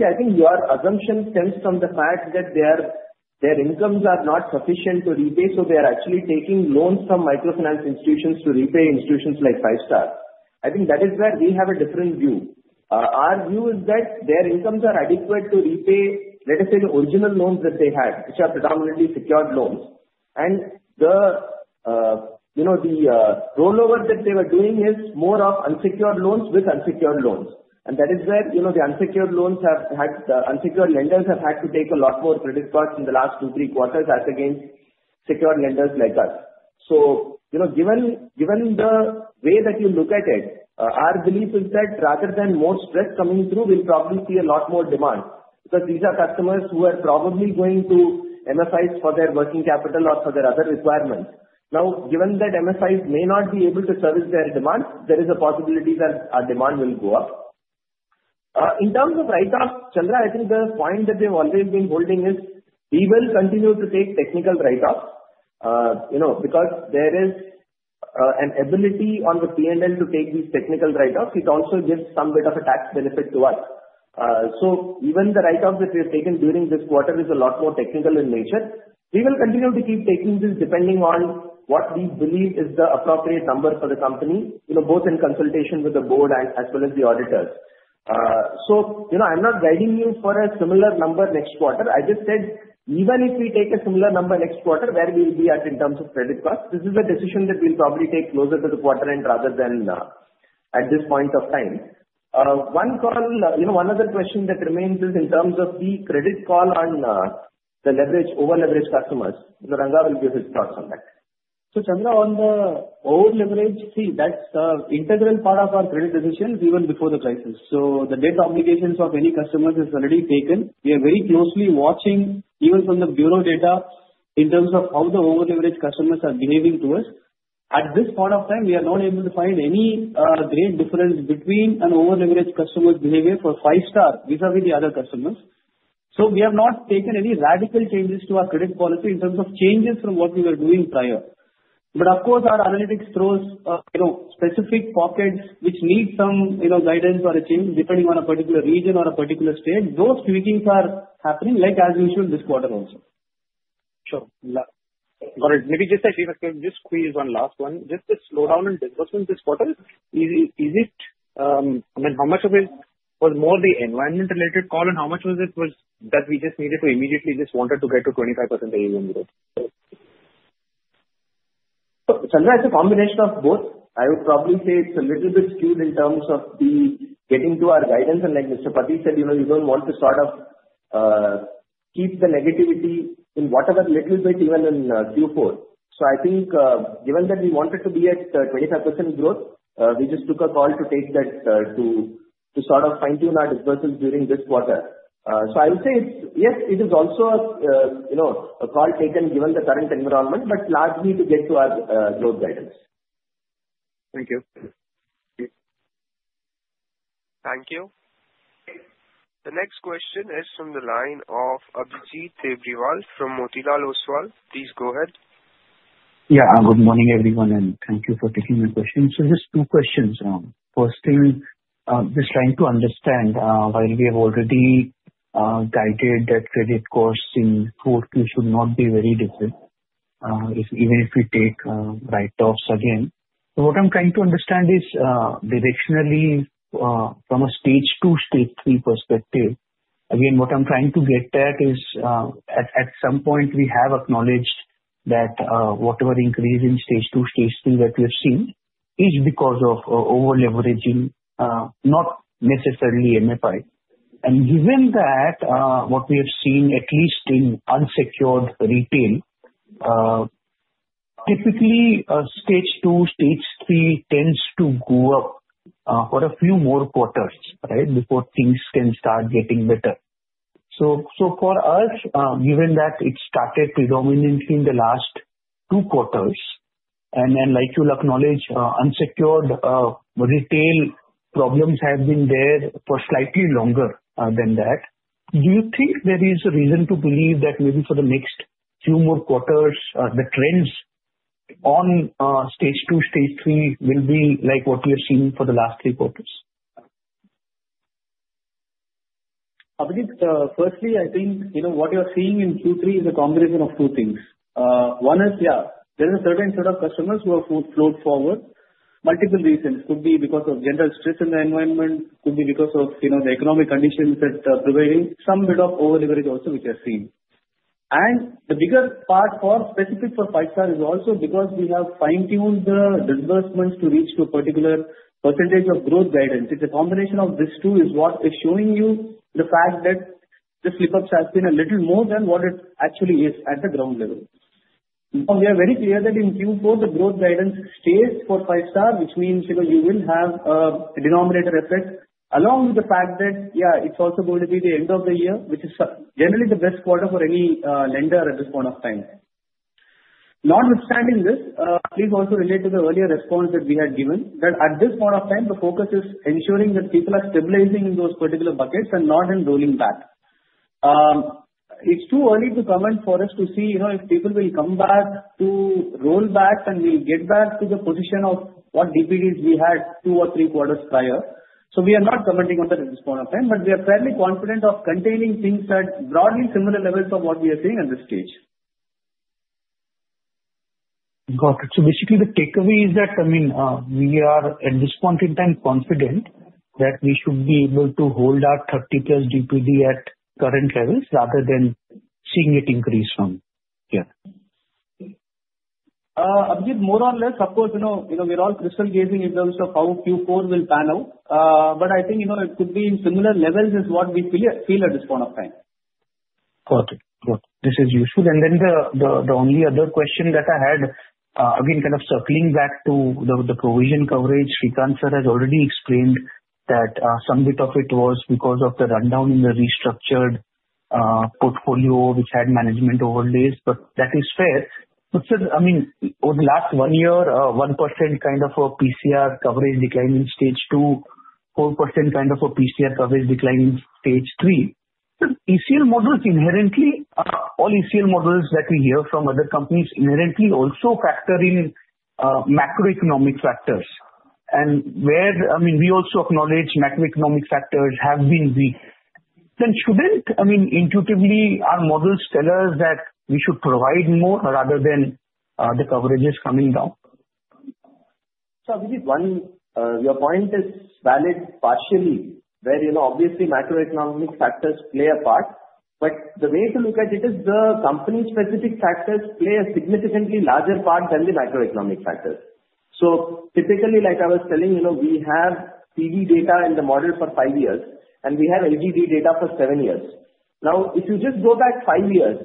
D: See, I think your assumption stems from the fact that their incomes are not sufficient to repay, so they are actually taking loans from microfinance institutions to repay institutions like Five-Star. I think that is where we have a different view. Our view is that their incomes are adequate to repay, let us say, the original loans that they had, which are predominantly secured loans. And the rollover that they were doing is more of unsecured loans with unsecured loans. And that is where the unsecured lenders have had to take a lot more haircuts in the last two, three quarters as against secured lenders like us. Given the way that you look at it, our belief is that rather than more stress coming through, we'll probably see a lot more demand because these are customers who are probably going to MFIs for their working capital or for their other requirements. Now, given that MFIs may not be able to service their demand, there is a possibility that our demand will go up. In terms of write-offs, Chandra, I think the point that we have always been holding is we will continue to take technical write-offs because there is an ability on the P&L to take these technical write-offs. It also gives some bit of a tax benefit to us. So even the write-offs that we have taken during this quarter is a lot more technical in nature. We will continue to keep taking this depending on what we believe is the appropriate number for the company, both in consultation with the Board as well as the auditors. So I'm not guiding you for a similar number next quarter. I just said, even if we take a similar number next quarter, where will we be at in terms of credit costs? This is a decision that we'll probably take closer to the quarter end rather than at this point of time. One other question that remains is in terms of the credit call on the over-leverage customers. So Ranga will give his thoughts on that.
F: Chandra, on the over-leverage, see, that's an integral part of our credit decision even before the crisis. The debt obligations of any customers are already taken. We are very closely watching, even from the bureau data, in terms of how the over-leverage customers are behaving towards. At this point of time, we are not able to find any great difference between an over-leverage customer's behavior for Five-Star vis-à-vis the other customers. We have not taken any radical changes to our credit policy in terms of changes from what we were doing prior. Of course, our analytics throws specific pockets which need some guidance or a change depending on a particular region or a particular state. Those tweakings are happening like as usual this quarter also.
J: Sure. Got it. Let me just say, Srikanth, can you just squeeze one last one? Just the slowdown in disbursements this quarter, is it, I mean, how much of it was more the environment-related call and how much was it that we just needed to immediately just wanted to get to 25% growth?
D: So Chandra, it's a combination of both. I would probably say it's a little bit skewed in terms of the getting to our guidance. And like Mr. Pathy said, we don't want to sort of keep the negativity in whatever little bit even in Q4. So I think given that we wanted to be at 25% growth, we just took a call to take that to sort of fine-tune our disbursements during this quarter. So I would say, yes, it is also a call taken given the current environment, but largely to get to our growth guidance.
J: Thank you.
A: Thank you. The next question is from the line of Abhijit Tibrewal from Motilal Oswal. Please go ahead.
K: Yeah. Good morning, everyone. And thank you for taking my question. So just two questions. First thing, just trying to understand, while we have already guided that credit costs in Q2 should not be very different even if we take write-offs again. So what I'm trying to understand is, directionally, from a Stage 2-Stage 3 perspective, again, what I'm trying to get at is at some point, we have acknowledged that whatever increase in Stage 2-Stage 3 that we have seen is because of over-leveraging, not necessarily MFI. And given that, what we have seen, at least in unsecured retail, typically, Stage 2-Stage 3 tends to go up for a few more quarters, right, before things can start getting better. So for us, given that it started predominantly in the last two quarters, and then, like you'll acknowledge, unsecured retail problems have been there for slightly longer than that, do you think there is a reason to believe that maybe for the next few more quarters, the trends on Stage 2-Stage 3 will be like what we have seen for the last three quarters?
D: Abhijit, firstly, I think what you're seeing in Q3 is a combination of two things. One is, yeah, there is a certain set of customers who have float forward. Multiple reasons. Could be because of general stress in the environment. Could be because of the economic conditions that are prevailing. Some bit of over-leverage also, which I've seen. And the bigger part specific for Five-Star is also because we have fine-tuned the disbursements to reach to a particular percentage of growth guidance. It's a combination of these two is what is showing you the fact that the slip-ups have been a little more than what it actually is at the ground level. Now, we are very clear that in Q4, the growth guidance stays for Five-Star, which means you will have a denominator effect along with the fact that, yeah, it's also going to be the end of the year, which is generally the best quarter for any lender at this point of time. Notwithstanding this, please also relate to the earlier response that we had given that at this point of time, the focus is ensuring that people are stabilizing in those particular buckets and not in rolling back. It's too early to comment for us to see if people will come back to roll back and will get back to the position of what DPDs we had two or three quarters prior. So we are not commenting on that at this point of time, but we are fairly confident of containing things at broadly similar levels of what we are seeing at this stage.
K: Got it. So basically, the takeaway is that, I mean, we are, at this point in time, confident that we should be able to hold our 30-plus DPD at current levels rather than seeing it increase from here.
D: Abhijit, more or less, of course, we're all crystal gazing in terms of how Q4 will pan out. But I think it could be in similar levels is what we feel at this point of time.
K: Got it. Got it. This is useful. And then the only other question that I had, again, kind of circling back to the provision coverage, Srikanth has already explained that some bit of it was because of the rundown in the restructured portfolio, which had management overlays. But that is fair. But, sir, I mean, over the last one year, 1% kind of a PCR coverage decline in Stage 2, 4% kind of a PCR coverage decline in Stage 3. ECL models, inherently, all ECL models that we hear from other companies inherently also factor in macroeconomic factors. And I mean, we also acknowledge macroeconomic factors have been weak. Then shouldn't, I mean, intuitively, our models tell us that we should provide more rather than the coverage is coming down?
D: So Abhijit, your point is valid partially, where obviously macroeconomic factors play a part. But the way to look at it is the company-specific factors play a significantly larger part than the macroeconomic factors. So typically, like I was telling, we have PD data in the model for five years, and we have LGD data for seven years. Now, if you just go back five years,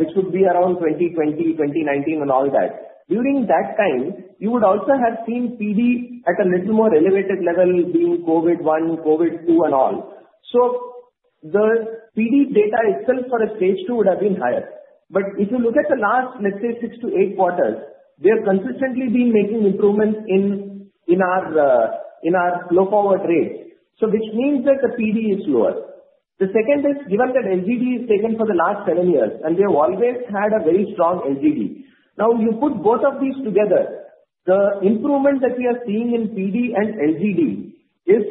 D: which would be around 2020, 2019, and all that, during that time, you would also have seen PD at a little more elevated level, being COVID-1, COVID-2, and all. So the PD data itself for Stage 2 would have been higher. But if you look at the last, let's say, six to eight quarters, we have consistently been making improvements in our flow-forward rate, which means that the PD is lower. The second is, given that LGD is taken for the last seven years, and we have always had a very strong LGD. Now, you put both of these together, the improvement that we are seeing in PD and LGD is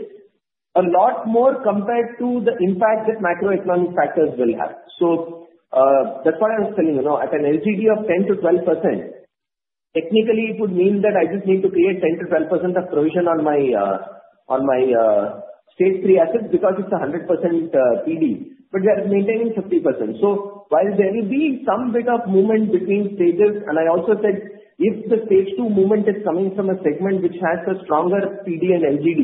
D: a lot more compared to the impact that macroeconomic factors will have. So that's why I was telling, at an LGD of 10%-12%, technically, it would mean that I just need to create 10%-12% of provision on my Stage 3 assets because it's 100% PD. But we are maintaining 50%. So while there will be some bit of movement between stages, and I also said, if the Stage 2 movement is coming from a segment which has a stronger PD and LGD,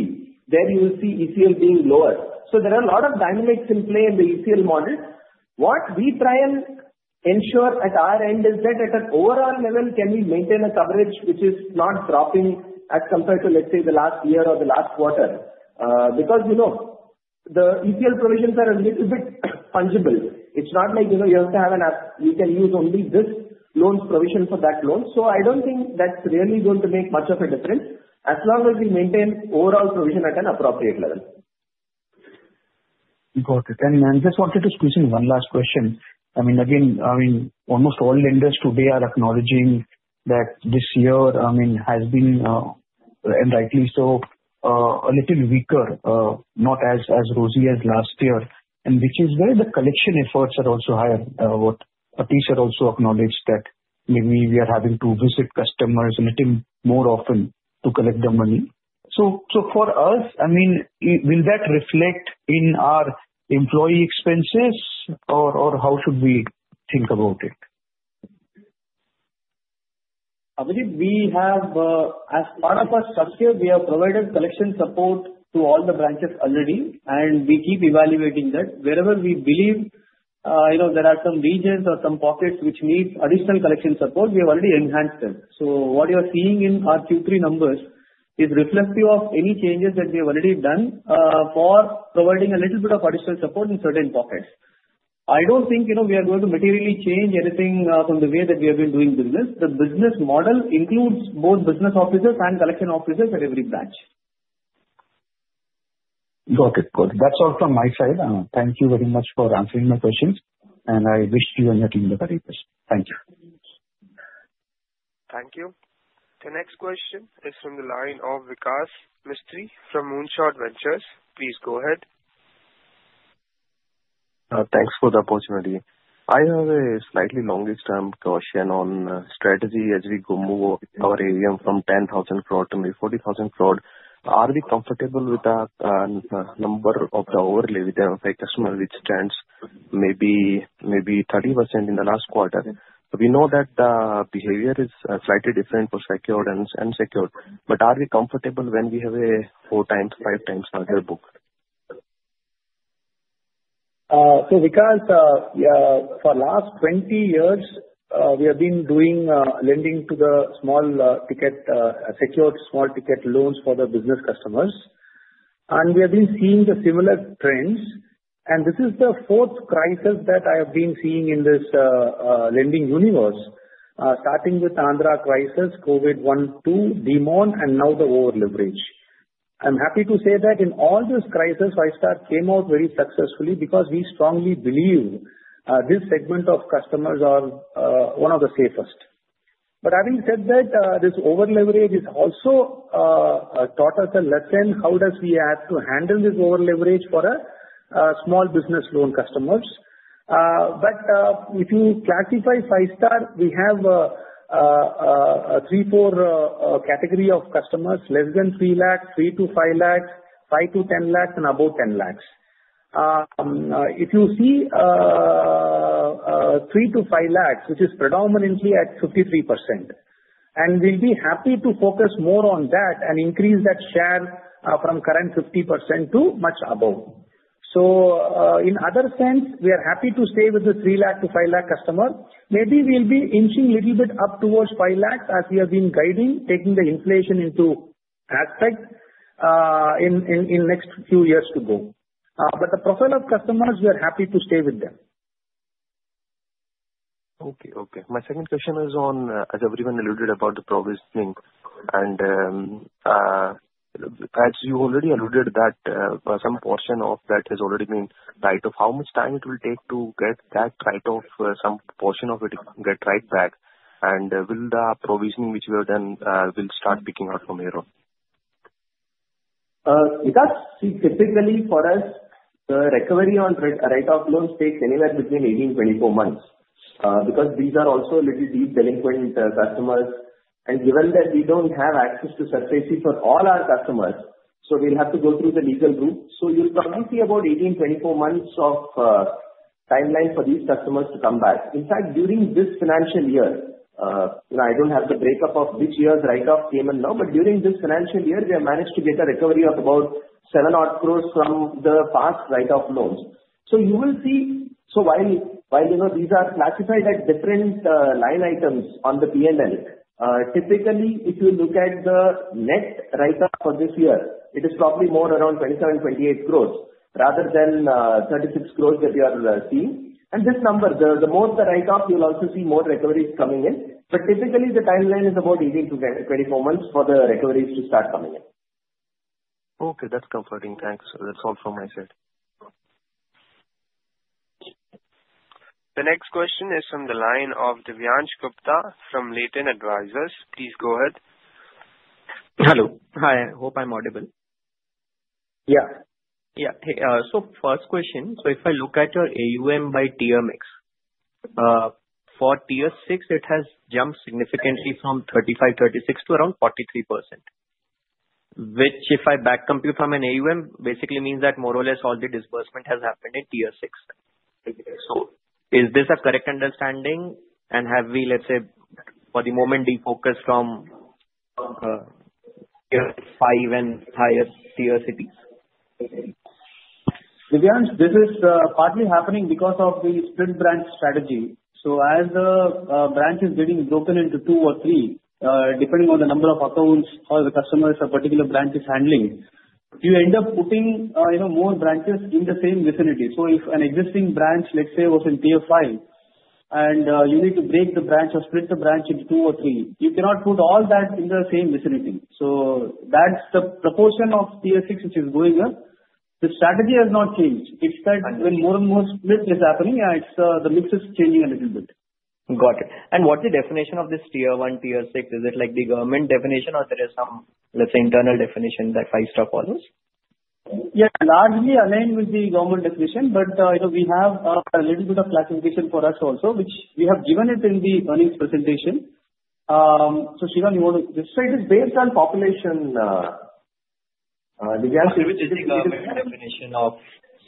D: then you will see ECL being lower. So there are a lot of dynamics in play in the ECL model. What we try and ensure at our end is that at an overall level, can we maintain a coverage which is not dropping as compared to, let's say, the last year or the last quarter? Because the ECL provisions are a little bit fungible. It's not like you have to have an app. You can use only this loan's provision for that loan. So I don't think that's really going to make much of a difference as long as we maintain overall provision at an appropriate level.
K: Got it. And I just wanted to squeeze in one last question. I mean, again, almost all lenders today are acknowledging that this year has been, and rightly so, a little weaker, not as rosy as last year, which is where the collection efforts are also higher. Abhijit also acknowledged that maybe we are having to visit customers a little more often to collect the money. So for us, I mean, will that reflect in our employee expenses, or how should we think about it?
D: Abhijit, as part of our structure, we have provided collection support to all the branches already, and we keep evaluating that. Wherever we believe there are some regions or some pockets which need additional collection support, we have already enhanced them. So what you are seeing in our Q3 numbers is reflective of any changes that we have already done for providing a little bit of additional support in certain pockets. I don't think we are going to materially change anything from the way that we have been doing business. The business model includes both business officers and collection officers at every branch.
K: Got it. Got it. That's all from my side. Thank you very much for answering my questions. And I wish you and your team the very best. Thank you.
A: Thank you. The next question is from the line of Vikas Mistry from Moonshot Ventures. Please go ahead.
L: Thanks for the opportunity. I have a slightly longer-term question on strategy as we move our AUM from 10,000 crore to maybe 40,000 crore. Are we comfortable with the number of the overlay with the customer which stands maybe 30% in the last quarter? We know that the behavior is slightly different for secured and unsecured. But are we comfortable when we have a four times, five times larger book?
D: Vikas, for the last 20 years, we have been doing lending to the small ticket, secured small ticket loans for the business customers. We have been seeing the similar trends. This is the fourth crisis that I have been seeing in this lending universe, starting with the Andhra crisis, COVID-1, 2, demonetization, and now the over-leverage. I'm happy to say that in all these crises, Five-Star came out very successfully because we strongly believe this segment of customers are one of the safest. But having said that, this over-leverage has also taught us a lesson. How do we handle this over-leverage for small business loan customers? But if you classify Five-Star, we have three-four categories of customers: less than 3 lakhs, 3-5 lakhs, 5-10 lakhs, and above 10 lakhs. If you see three to five lakhs, which is predominantly at 53%, and we'll be happy to focus more on that and increase that share from current 50% to much above. In other sense, we are happy to stay with the three lakh to five lakh customers. Maybe we'll be inching a little bit up towards five lakhs as we have been guiding, taking the inflation into aspect in the next few years to go. But the profile of customers, we are happy to stay with them.
L: Okay. Okay. My second question is on, as everyone alluded about the provisioning. And as you already alluded that some portion of that has already been tied up. How much time it will take to get that tied up, some portion of it get tied back? And will the provisioning which we have done start picking up from here on?
D: Vikas, see, typically for us, the recovery on write-off loans takes anywhere between 18 to 24 months because these are also a little deeply delinquent customers. Given that we don't have access to SARFAESI for all our customers, we'll have to go through the legal route. You'll probably see about 18 to 24 months of timeline for these customers to come back. In fact, during this financial year, I don't have the breakup of which year the write-off came in now, but during this financial year, we have managed to get a recovery of about 7-odd crores from the past write-off loans. You will see, while these are classified at different line items on the P&L, typically if you look at the net write-off for this year, it is probably more around 27, 28 crores rather than 36 crores that we are seeing. This number, the more the write-off, you'll also see more recoveries coming in. Typically, the timeline is about 18-24 months for the recoveries to start coming in.
L: Okay. That's comforting. Thanks. That's all from my side.
A: The next question is from the line of Divyansh Gupta from Latent Advisors. Please go ahead.
M: Hello. Hi. I hope I'm audible.
D: Yeah.
M: Yeah. So first question, so if I look at your AUM by Tier mix, for Tier 6, it has jumped significantly from 35%-36% to around 43%, which if I backcompute from an AUM, basically means that more or less all the disbursement has happened in Tier 6. So is this a correct understanding? And have we, let's say, for the moment, defocused from Tier 5 and higher-tier cities?
D: Divyansh, this is partly happening because of the split branch strategy. So as the branch is getting broken into two or three, depending on the number of accounts or the customers a particular branch is handling, you end up putting more branches in the same vicinity. So if an existing branch, let's say, was in Tier 5, and you need to break the branch or split the branch into two or three, you cannot put all that in the same vicinity. So that's the proportion of Tier 6 which is going up. The strategy has not changed. It's that when more and more split is happening, the mix is changing a little bit.
M: Got it. What's the definition of this Tier 1, Tier 6? Is it like the government definition, or is there some, let's say, internal definition that Five-Star follows?
D: Yeah. Largely aligned with the government definition, but we have a little bit of classification for us also, which we have given it in the earnings presentation. So Srikanth, you want to just try this based on population, Divyansh.
M: Is it the definition of CTTS?
D: It's different.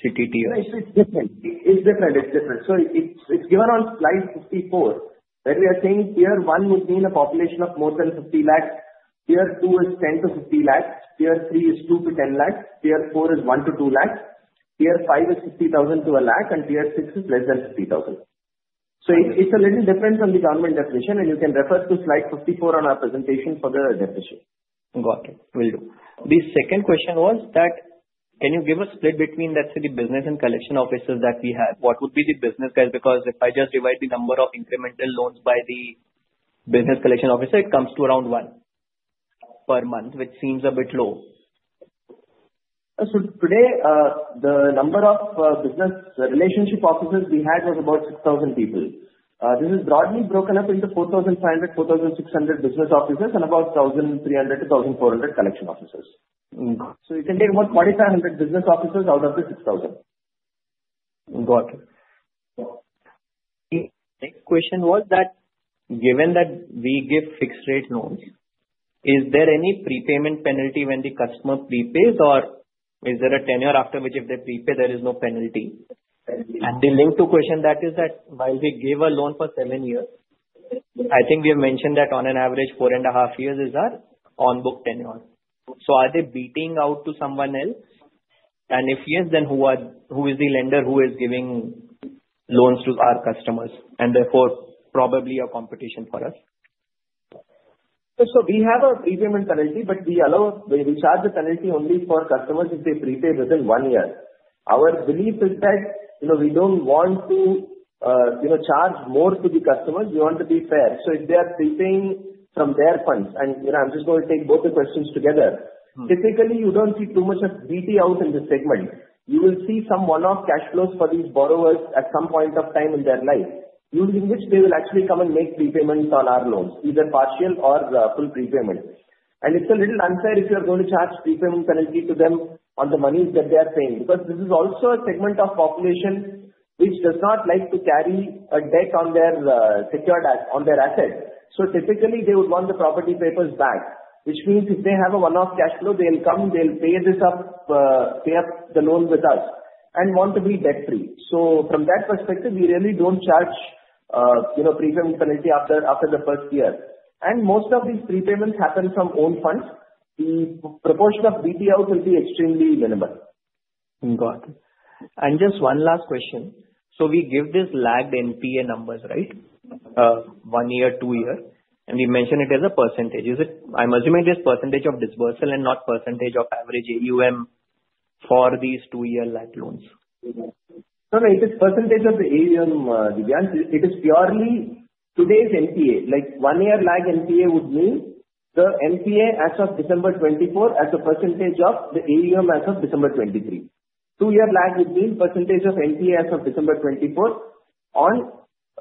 D: It's different. It's different. So it's given on slide 54, where we are saying Tier 1 would mean a population of more than 50 lakhs. Tier 2 is 10 to 50 lakhs. Tier 3 is 2 to 10 lakhs. Tier 4 is 1 to 2 lakhs. Tier 5 is 50,000 to a lakh, and Tier 6 is less than 50,000. So it's a little different from the government definition, and you can refer to slide 54 on our presentation for the definition.
M: Got it. Will do. The second question was that can you give a split between, let's say, the business and collection officers that we have? What would be the business guys? Because if I just divide the number of incremental loans by the business collection officer, it comes to around one per month, which seems a bit low.
D: So today, the number of business relationship officers we had was about 6,000 people. This is broadly broken up into 4,500-4,600 business officers, and about 1,300-1,400 collection officers. So you can take about 4,500 business officers out of the 6,000.
M: Got it. Next question was that given that we give fixed-rate loans, is there any prepayment penalty when the customer prepays, or is there a tenure after which if they prepay, there is no penalty? And the linked question is that while we give a loan for seven years, I think we have mentioned that on an average, four and a half years is our on-book tenure. So are they balance transferring out to someone else? And if yes, then who is the lender who is giving loans to our customers? And therefore, probably a competition for us.
D: We have a prepayment penalty, but we charge the penalty only for customers if they prepay within one year. Our belief is that we don't want to charge more to the customers. We want to be fair. If they are prepaying from their funds, and I'm just going to take both the questions together, typically, you don't see too much of BTO out in this segment. You will see some one-off cash flows for these borrowers at some point of time in their life, using which they will actually come and make repayments on our loans, either partial or full repayment. And it's a little unfair if you are going to charge prepayment penalty to them on the money that they are paying because this is also a segment of population which does not like to carry a debt on their assets. Typically, they would want the property papers back, which means if they have a one-off cash flow, they'll come, they'll pay this up, pay up the loan with us, and want to be debt-free, so from that perspective, we really don't charge prepayment penalty after the first year, and most of these prepayments happen from own funds. The proportion of BTO will be extremely minimal.
M: Got it. And just one last question. So we give this lagged NPA numbers, right? One year, two year. And we mention it as a percentage. I'm assuming it is percentage of disbursal and not percentage of average AUM for these two-year lagged loans.
D: No, no. It is percentage of the AUM, Divyansh. It is purely today's NPA. One-year lagged NPA would mean the NPA as of December 2024 as a percentage of the AUM as of December 2023. Two-year lag would mean percentage of NPA as of December 2024 on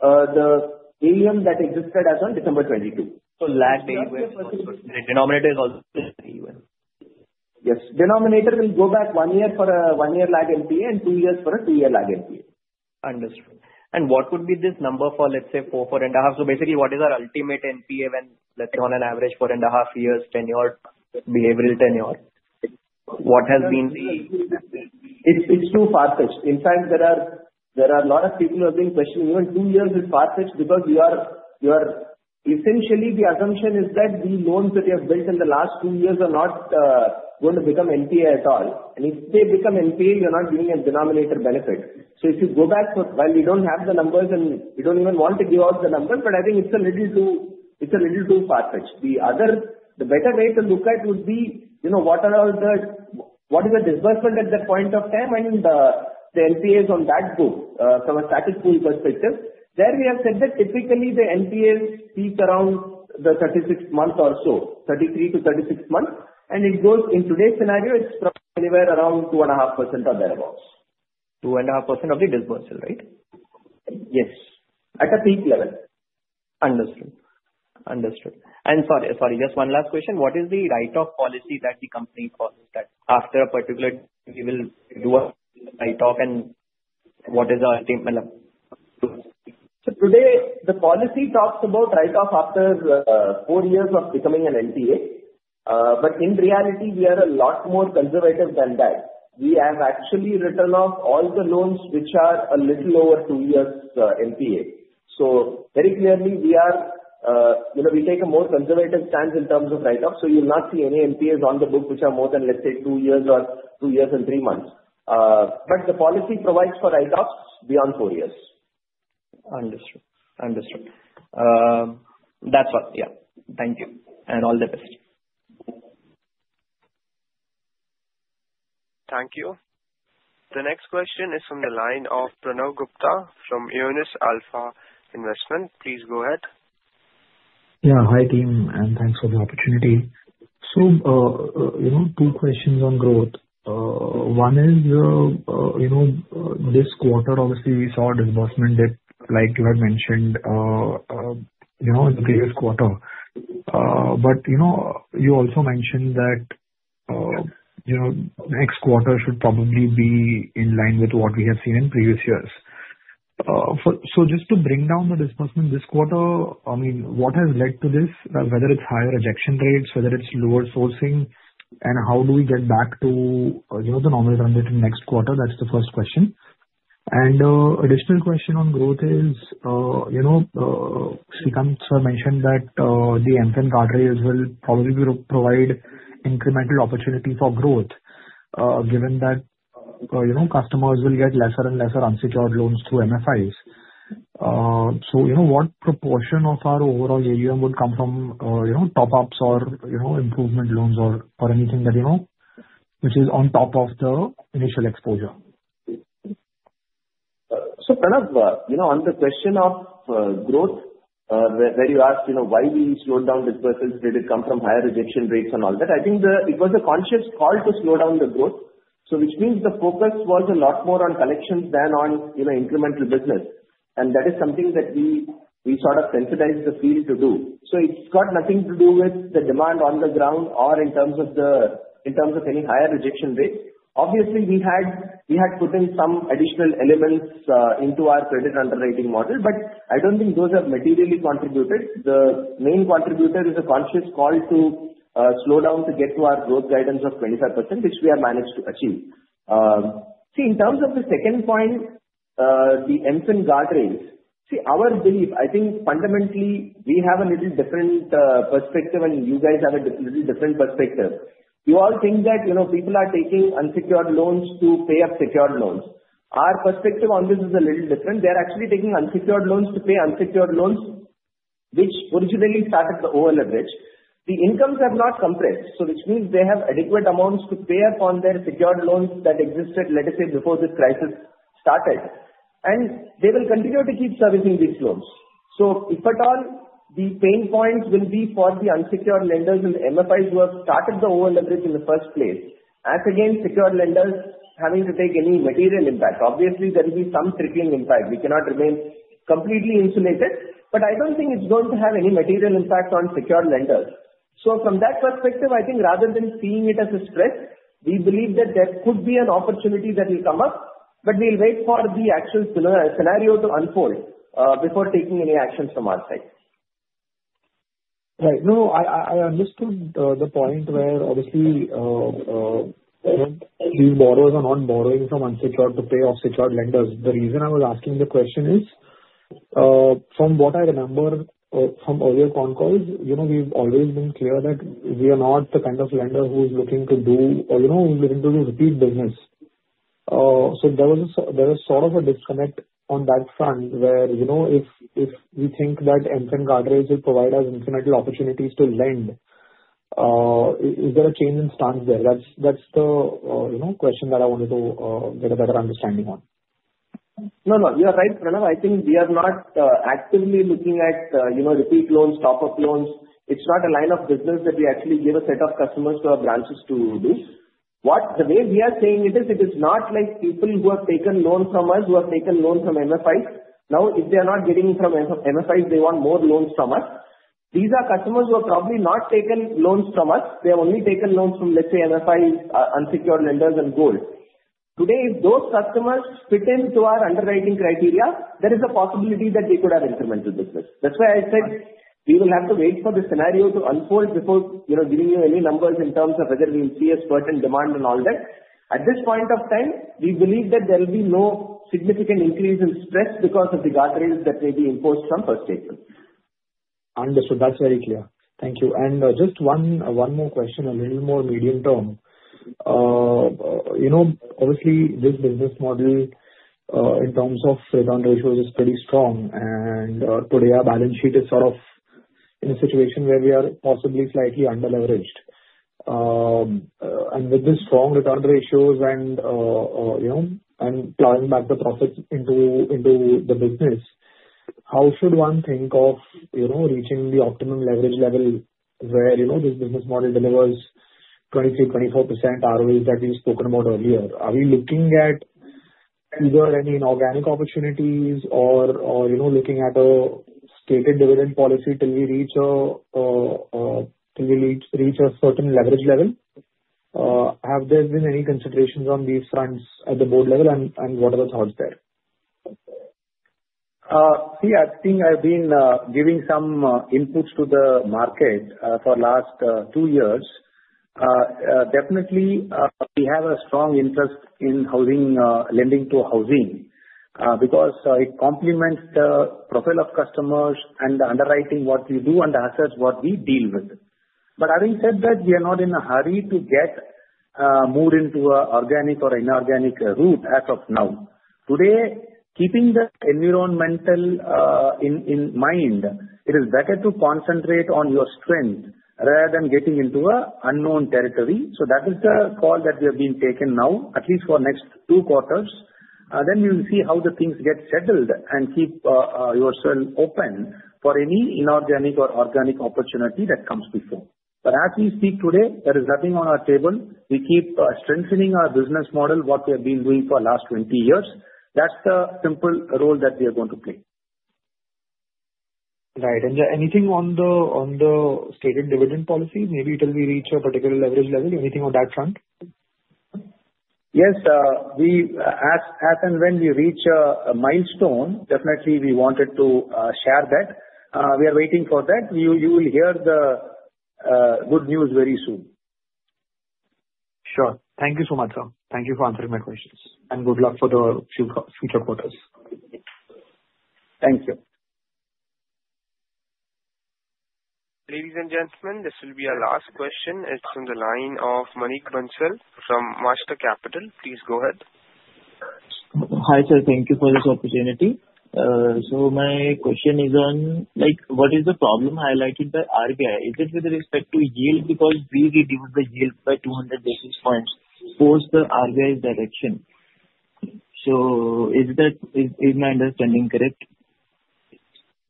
D: the AUM that existed as of December 2022.
M: So the denominator is also AUM.
D: Yes. Denominator will go back one year for a one-year lagged NPA and two years for a two-year lagged NPA.
M: Understood. And what would be this number for, let's say, four and a half? So basically, what is our ultimate NPA when, let's say, on an average four and a half years tenure, behavioral tenure? What has been the?
D: It's too far-fetched. In fact, there are a lot of people who have been questioning even two years is far-fetched because you are essentially the assumption is that the loans that you have built in the last two years are not going to become NPA at all. And if they become NPA, you're not giving a denominator benefit. So if you go back, while we don't have the numbers and we don't even want to give out the numbers, but I think it's a little too far-fetched. The better way to look at would be what are the disbursement at that point of time and the NPAs on that book from a statutory perspective. There we have said that typically the NPAs peak around the 36 months or so, 33-36 months. And in today's scenario, it's probably anywhere around 2.5% or thereabouts.
M: 2.5% of the disbursal, right?
D: Yes. At a peak level.
M: Understood. Sorry. Just one last question. What is the write-off policy that the company follows that after a particular we will do a write-off and what is our?
D: So today, the policy talks about write-off after four years of becoming an NPA. But in reality, we are a lot more conservative than that. We have actually written off all the loans which are a little over two years NPA. So very clearly, we take a more conservative stance in terms of write-offs. So you'll not see any NPAs on the books which are more than, let's say, two years or two years and three months. But the policy provides for write-offs beyond four years.
M: Understood. Understood. That's all. Yeah. Thank you. And all the best.
A: Thank you. The next question is from the line of Pranav Gupta from Aionios Alpha Investment. Please go ahead.
N: Yeah. Hi team. And thanks for the opportunity. So two questions on growth. One is this quarter, obviously, we saw disbursement dip, like you had mentioned in the previous quarter. But you also mentioned that next quarter should probably be in line with what we have seen in previous years. So just to bring down the disbursement this quarter, I mean, what has led to this? Whether it's higher rejection rates, whether it's lower sourcing, and how do we get back to the normal run rate to next quarter? That's the first question. And additional question on growth is Srikanth sir mentioned that the MFI guardrails will probably provide incremental opportunity for growth given that customers will get lesser and lesser unsecured loans through MFIs. So what proportion of our overall AUM would come from top-ups or improvement loans or anything that which is on top of the initial exposure?
D: So Pranav, on the question of growth, where you asked why we slowed down disbursals, did it come from higher rejection rates and all that? I think it was a conscious call to slow down the growth, which means the focus was a lot more on collections than on incremental business. And that is something that we sort of sensitized the field to do. So it's got nothing to do with the demand on the ground or in terms of any higher rejection rates. Obviously, we had put in some additional elements into our credit underwriting model, but I don't think those have materially contributed. The main contributor is a conscious call to slow down to get to our growth guidance of 25%, which we have managed to achieve. See, in terms of the second point, the MFI guardrails, see, our belief, I think fundamentally, we have a little different perspective, and you guys have a little different perspective. You all think that people are taking unsecured loans to pay up secured loans. Our perspective on this is a little different. They are actually taking unsecured loans to pay unsecured loans, which originally started the over-leverage. The incomes have not compressed, so which means they have adequate amounts to pay upon their secured loans that existed, let us say, before this crisis started, and they will continue to keep servicing these loans, so if at all, the pain points will be for the unsecured lenders and MFIs who have started the over-leverage in the first place, as against secured lenders having to take any material impact. Obviously, there will be some trickling impact. We cannot remain completely insulated, but I don't think it's going to have any material impact on secured lenders. So from that perspective, I think rather than seeing it as a stress, we believe that there could be an opportunity that will come up, but we'll wait for the actual scenario to unfold before taking any actions from our side.
N: Right. No, I understood the point where obviously these borrowers are not borrowing from unsecured to pay off secured lenders. The reason I was asking the question is from what I remember from earlier con calls, we've always been clear that we are not the kind of lender who is looking to do or who is looking to do repeat business. So there was sort of a disconnect on that front where if we think that MFI guardrails will provide us incremental opportunities to lend, is there a change in stance there? That's the question that I wanted to get a better understanding on.
D: No, no. You are right, Pranav. I think we are not actively looking at repeat loans, top-up loans. It's not a line of business that we actually give a set of customers to our branches to do. The way we are saying it is, it is not like people who have taken loans from us who have taken loans from MFIs. Now, if they are not getting from MFIs, they want more loans from us. These are customers who have probably not taken loans from us. They have only taken loans from, let's say, MFIs, unsecured lenders, and gold. Today, if those customers fit into our underwriting criteria, there is a possibility that we could have incremental business. That's why I said we will have to wait for the scenario to unfold before giving you any numbers in terms of whether we will see a certain demand and all that. At this point of time, we believe that there will be no significant increase in stress because of the guardrails that may be imposed from first statement.
N: Understood. That's very clear. Thank you. And just one more question, a little more medium term. Obviously, this business model in terms of return ratios is pretty strong. And today, our balance sheet is sort of in a situation where we are possibly slightly under-leveraged. And with these strong return ratios and plowing back the profits into the business, how should one think of reaching the optimum leverage level where this business model delivers 23%-24% ROEs that we've spoken about earlier? Are we looking at either any inorganic opportunities or looking at a stated dividend policy till we reach a certain leverage level? Have there been any considerations on these fronts at the Board level, and what are the thoughts there?
D: See, I think I've been giving some inputs to the market for the last two years. Definitely, we have a strong interest in lending to housing because it complements the profile of customers and the underwriting, what we do, and the assets what we deal with. But having said that, we are not in a hurry to get moved into an organic or inorganic route as of now. Today, keeping the environmental in mind, it is better to concentrate on your strength rather than getting into an unknown territory. So that is the call that we have been taking now, at least for the next two quarters. Then we will see how the things get settled and keep yourself open for any inorganic or organic opportunity that comes before. But as we speak today, there is nothing on our table. We keep strengthening our business model, what we have been doing for the last 20 years. That's the simple role that we are going to play.
N: Right. And anything on the stated dividend policy? Maybe it will reach a particular leverage level. Anything on that front?
D: Yes. As and when we reach a milestone, definitely we wanted to share that. We are waiting for that. You will hear the good news very soon.
N: Sure. Thank you so much, sir. Thank you for answering my questions. And good luck for the future quarters.
D: Thank you.
A: Ladies and gentlemen, this will be our last question. It's from the line of Manik Bansal from Master Capital. Please go ahead.
O: Hi sir. Thank you for this opportunity. So my question is on what is the problem highlighted by RBI? Is it with respect to yield because we reduce the yield by 200 basis points towards the RBI's direction? So is my understanding correct?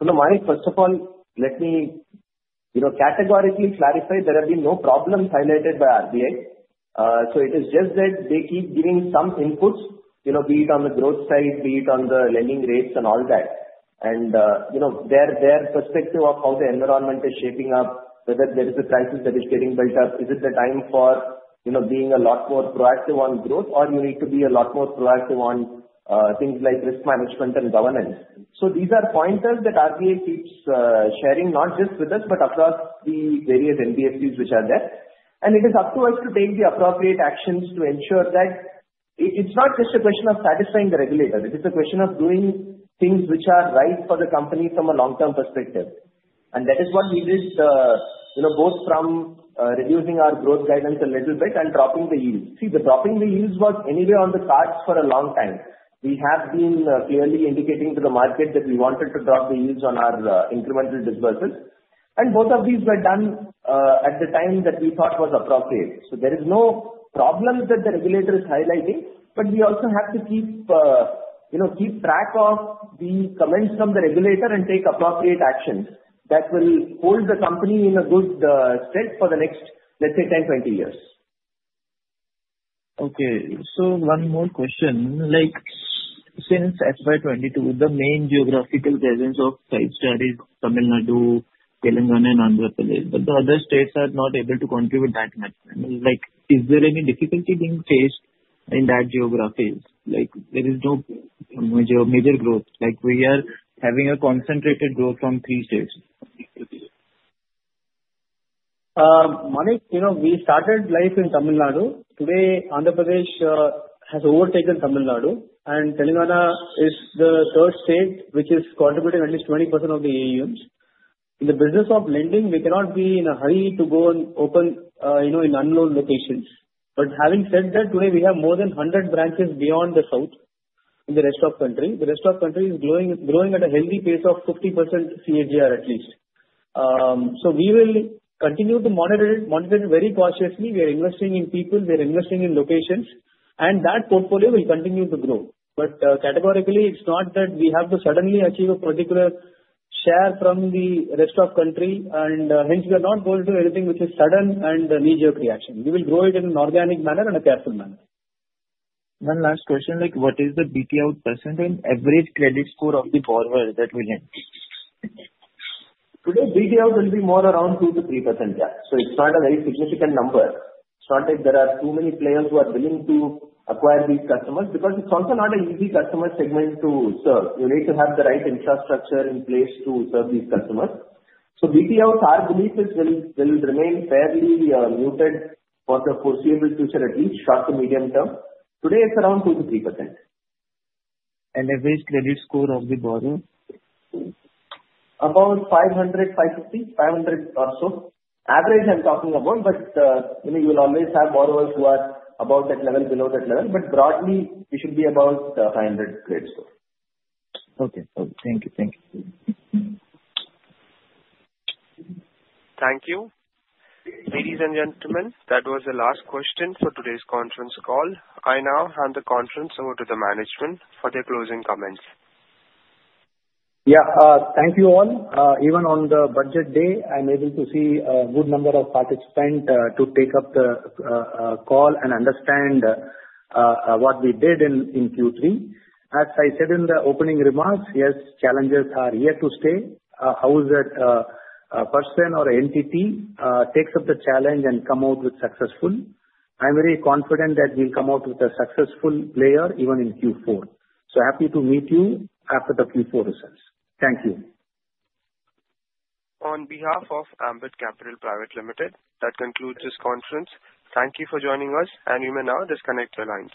D: Manik, first of all, let me categorically clarify there have been no problems highlighted by RBI. So it is just that they keep giving some inputs, be it on the growth side, be it on the lending rates and all that. And their perspective of how the environment is shaping up, whether there is a crisis that is getting built up, is it the time for being a lot more proactive on growth, or you need to be a lot more proactive on things like risk management and governance? So these are pointers that RBI keeps sharing not just with us, but across the various NBFCs which are there. And it is up to us to take the appropriate actions to ensure that it's not just a question of satisfying the regulator. It is a question of doing things which are right for the company from a long-term perspective. And that is what we did, both from reducing our growth guidance a little bit and dropping the yield. See, dropping the yields was anywhere on the cards for a long time. We have been clearly indicating to the market that we wanted to drop the yields on our incremental disbursals. And both of these were done at the time that we thought was appropriate. So there is no problem that the regulator is highlighting, but we also have to keep track of the comments from the regulator and take appropriate actions that will hold the company in a good strength for the next, let's say, 10, 20 years.
O: Okay. So one more question. Since FY22, the main geographical presence of Five-Star's is Tamil Nadu, Telangana, and Andhra Pradesh, but the other states are not able to contribute that much. Is there any difficulty being faced in those geographies? There is no major growth. We are having a concentrated growth from three states.
D: Manik, we started life in Tamil Nadu. Today, Andhra Pradesh has overtaken Tamil Nadu, and Telangana is the third state which is contributing at least 20% of the AUMs. In the business of lending, we cannot be in a hurry to go and open in unknown locations. But having said that, today, we have more than 100 branches beyond the south in the rest of the country. The rest of the country is growing at a healthy pace of 50% CAGR at least. So we will continue to monitor it very cautiously. We are investing in people. We are investing in locations. And that portfolio will continue to grow. But categorically, it's not that we have to suddenly achieve a particular share from the rest of the country, and hence we are not going to do anything which is sudden and knee-jerk reaction. We will grow it in an organic manner and a careful manner.
O: One last question. What is the BTO % and average credit score of the borrowers that we have?
D: Today, BTO will be more around 2% to 3%. So it's not a very significant number. It's not like there are too many players who are willing to acquire these customers because it's also not an easy customer segment to serve. You need to have the right infrastructure in place to serve these customers. So BTO, our belief, will remain fairly muted for the foreseeable future, at least short to medium term. Today, it's around 2% to 3%.
O: Average credit score of the borrowers?
D: About 500, 550, 500 or so. Average, I'm talking about, but you will always have borrowers who are above that level, below that level. But broadly, we should be about 500 credit score.
O: Okay. Thank you. Thank you.
A: Thank you. Ladies and gentlemen, that was the last question for today's conference call. I now hand the conference over to the management for their closing comments.
D: Yeah. Thank you all. Even on the Budget day, I'm able to see a good number of participants to take up the call and understand what we did in Q3. As I said in the opening remarks, yes, challenges are here to stay. How is that a person or an entity takes up the challenge and comes out successful? I'm very confident that we'll come out with a successful player even in Q4. So happy to meet you after the Q4 results. Thank you.
A: On behalf of Ambit Capital Private Limited, that concludes this conference. Thank you for joining us, and you may now disconnect your lines.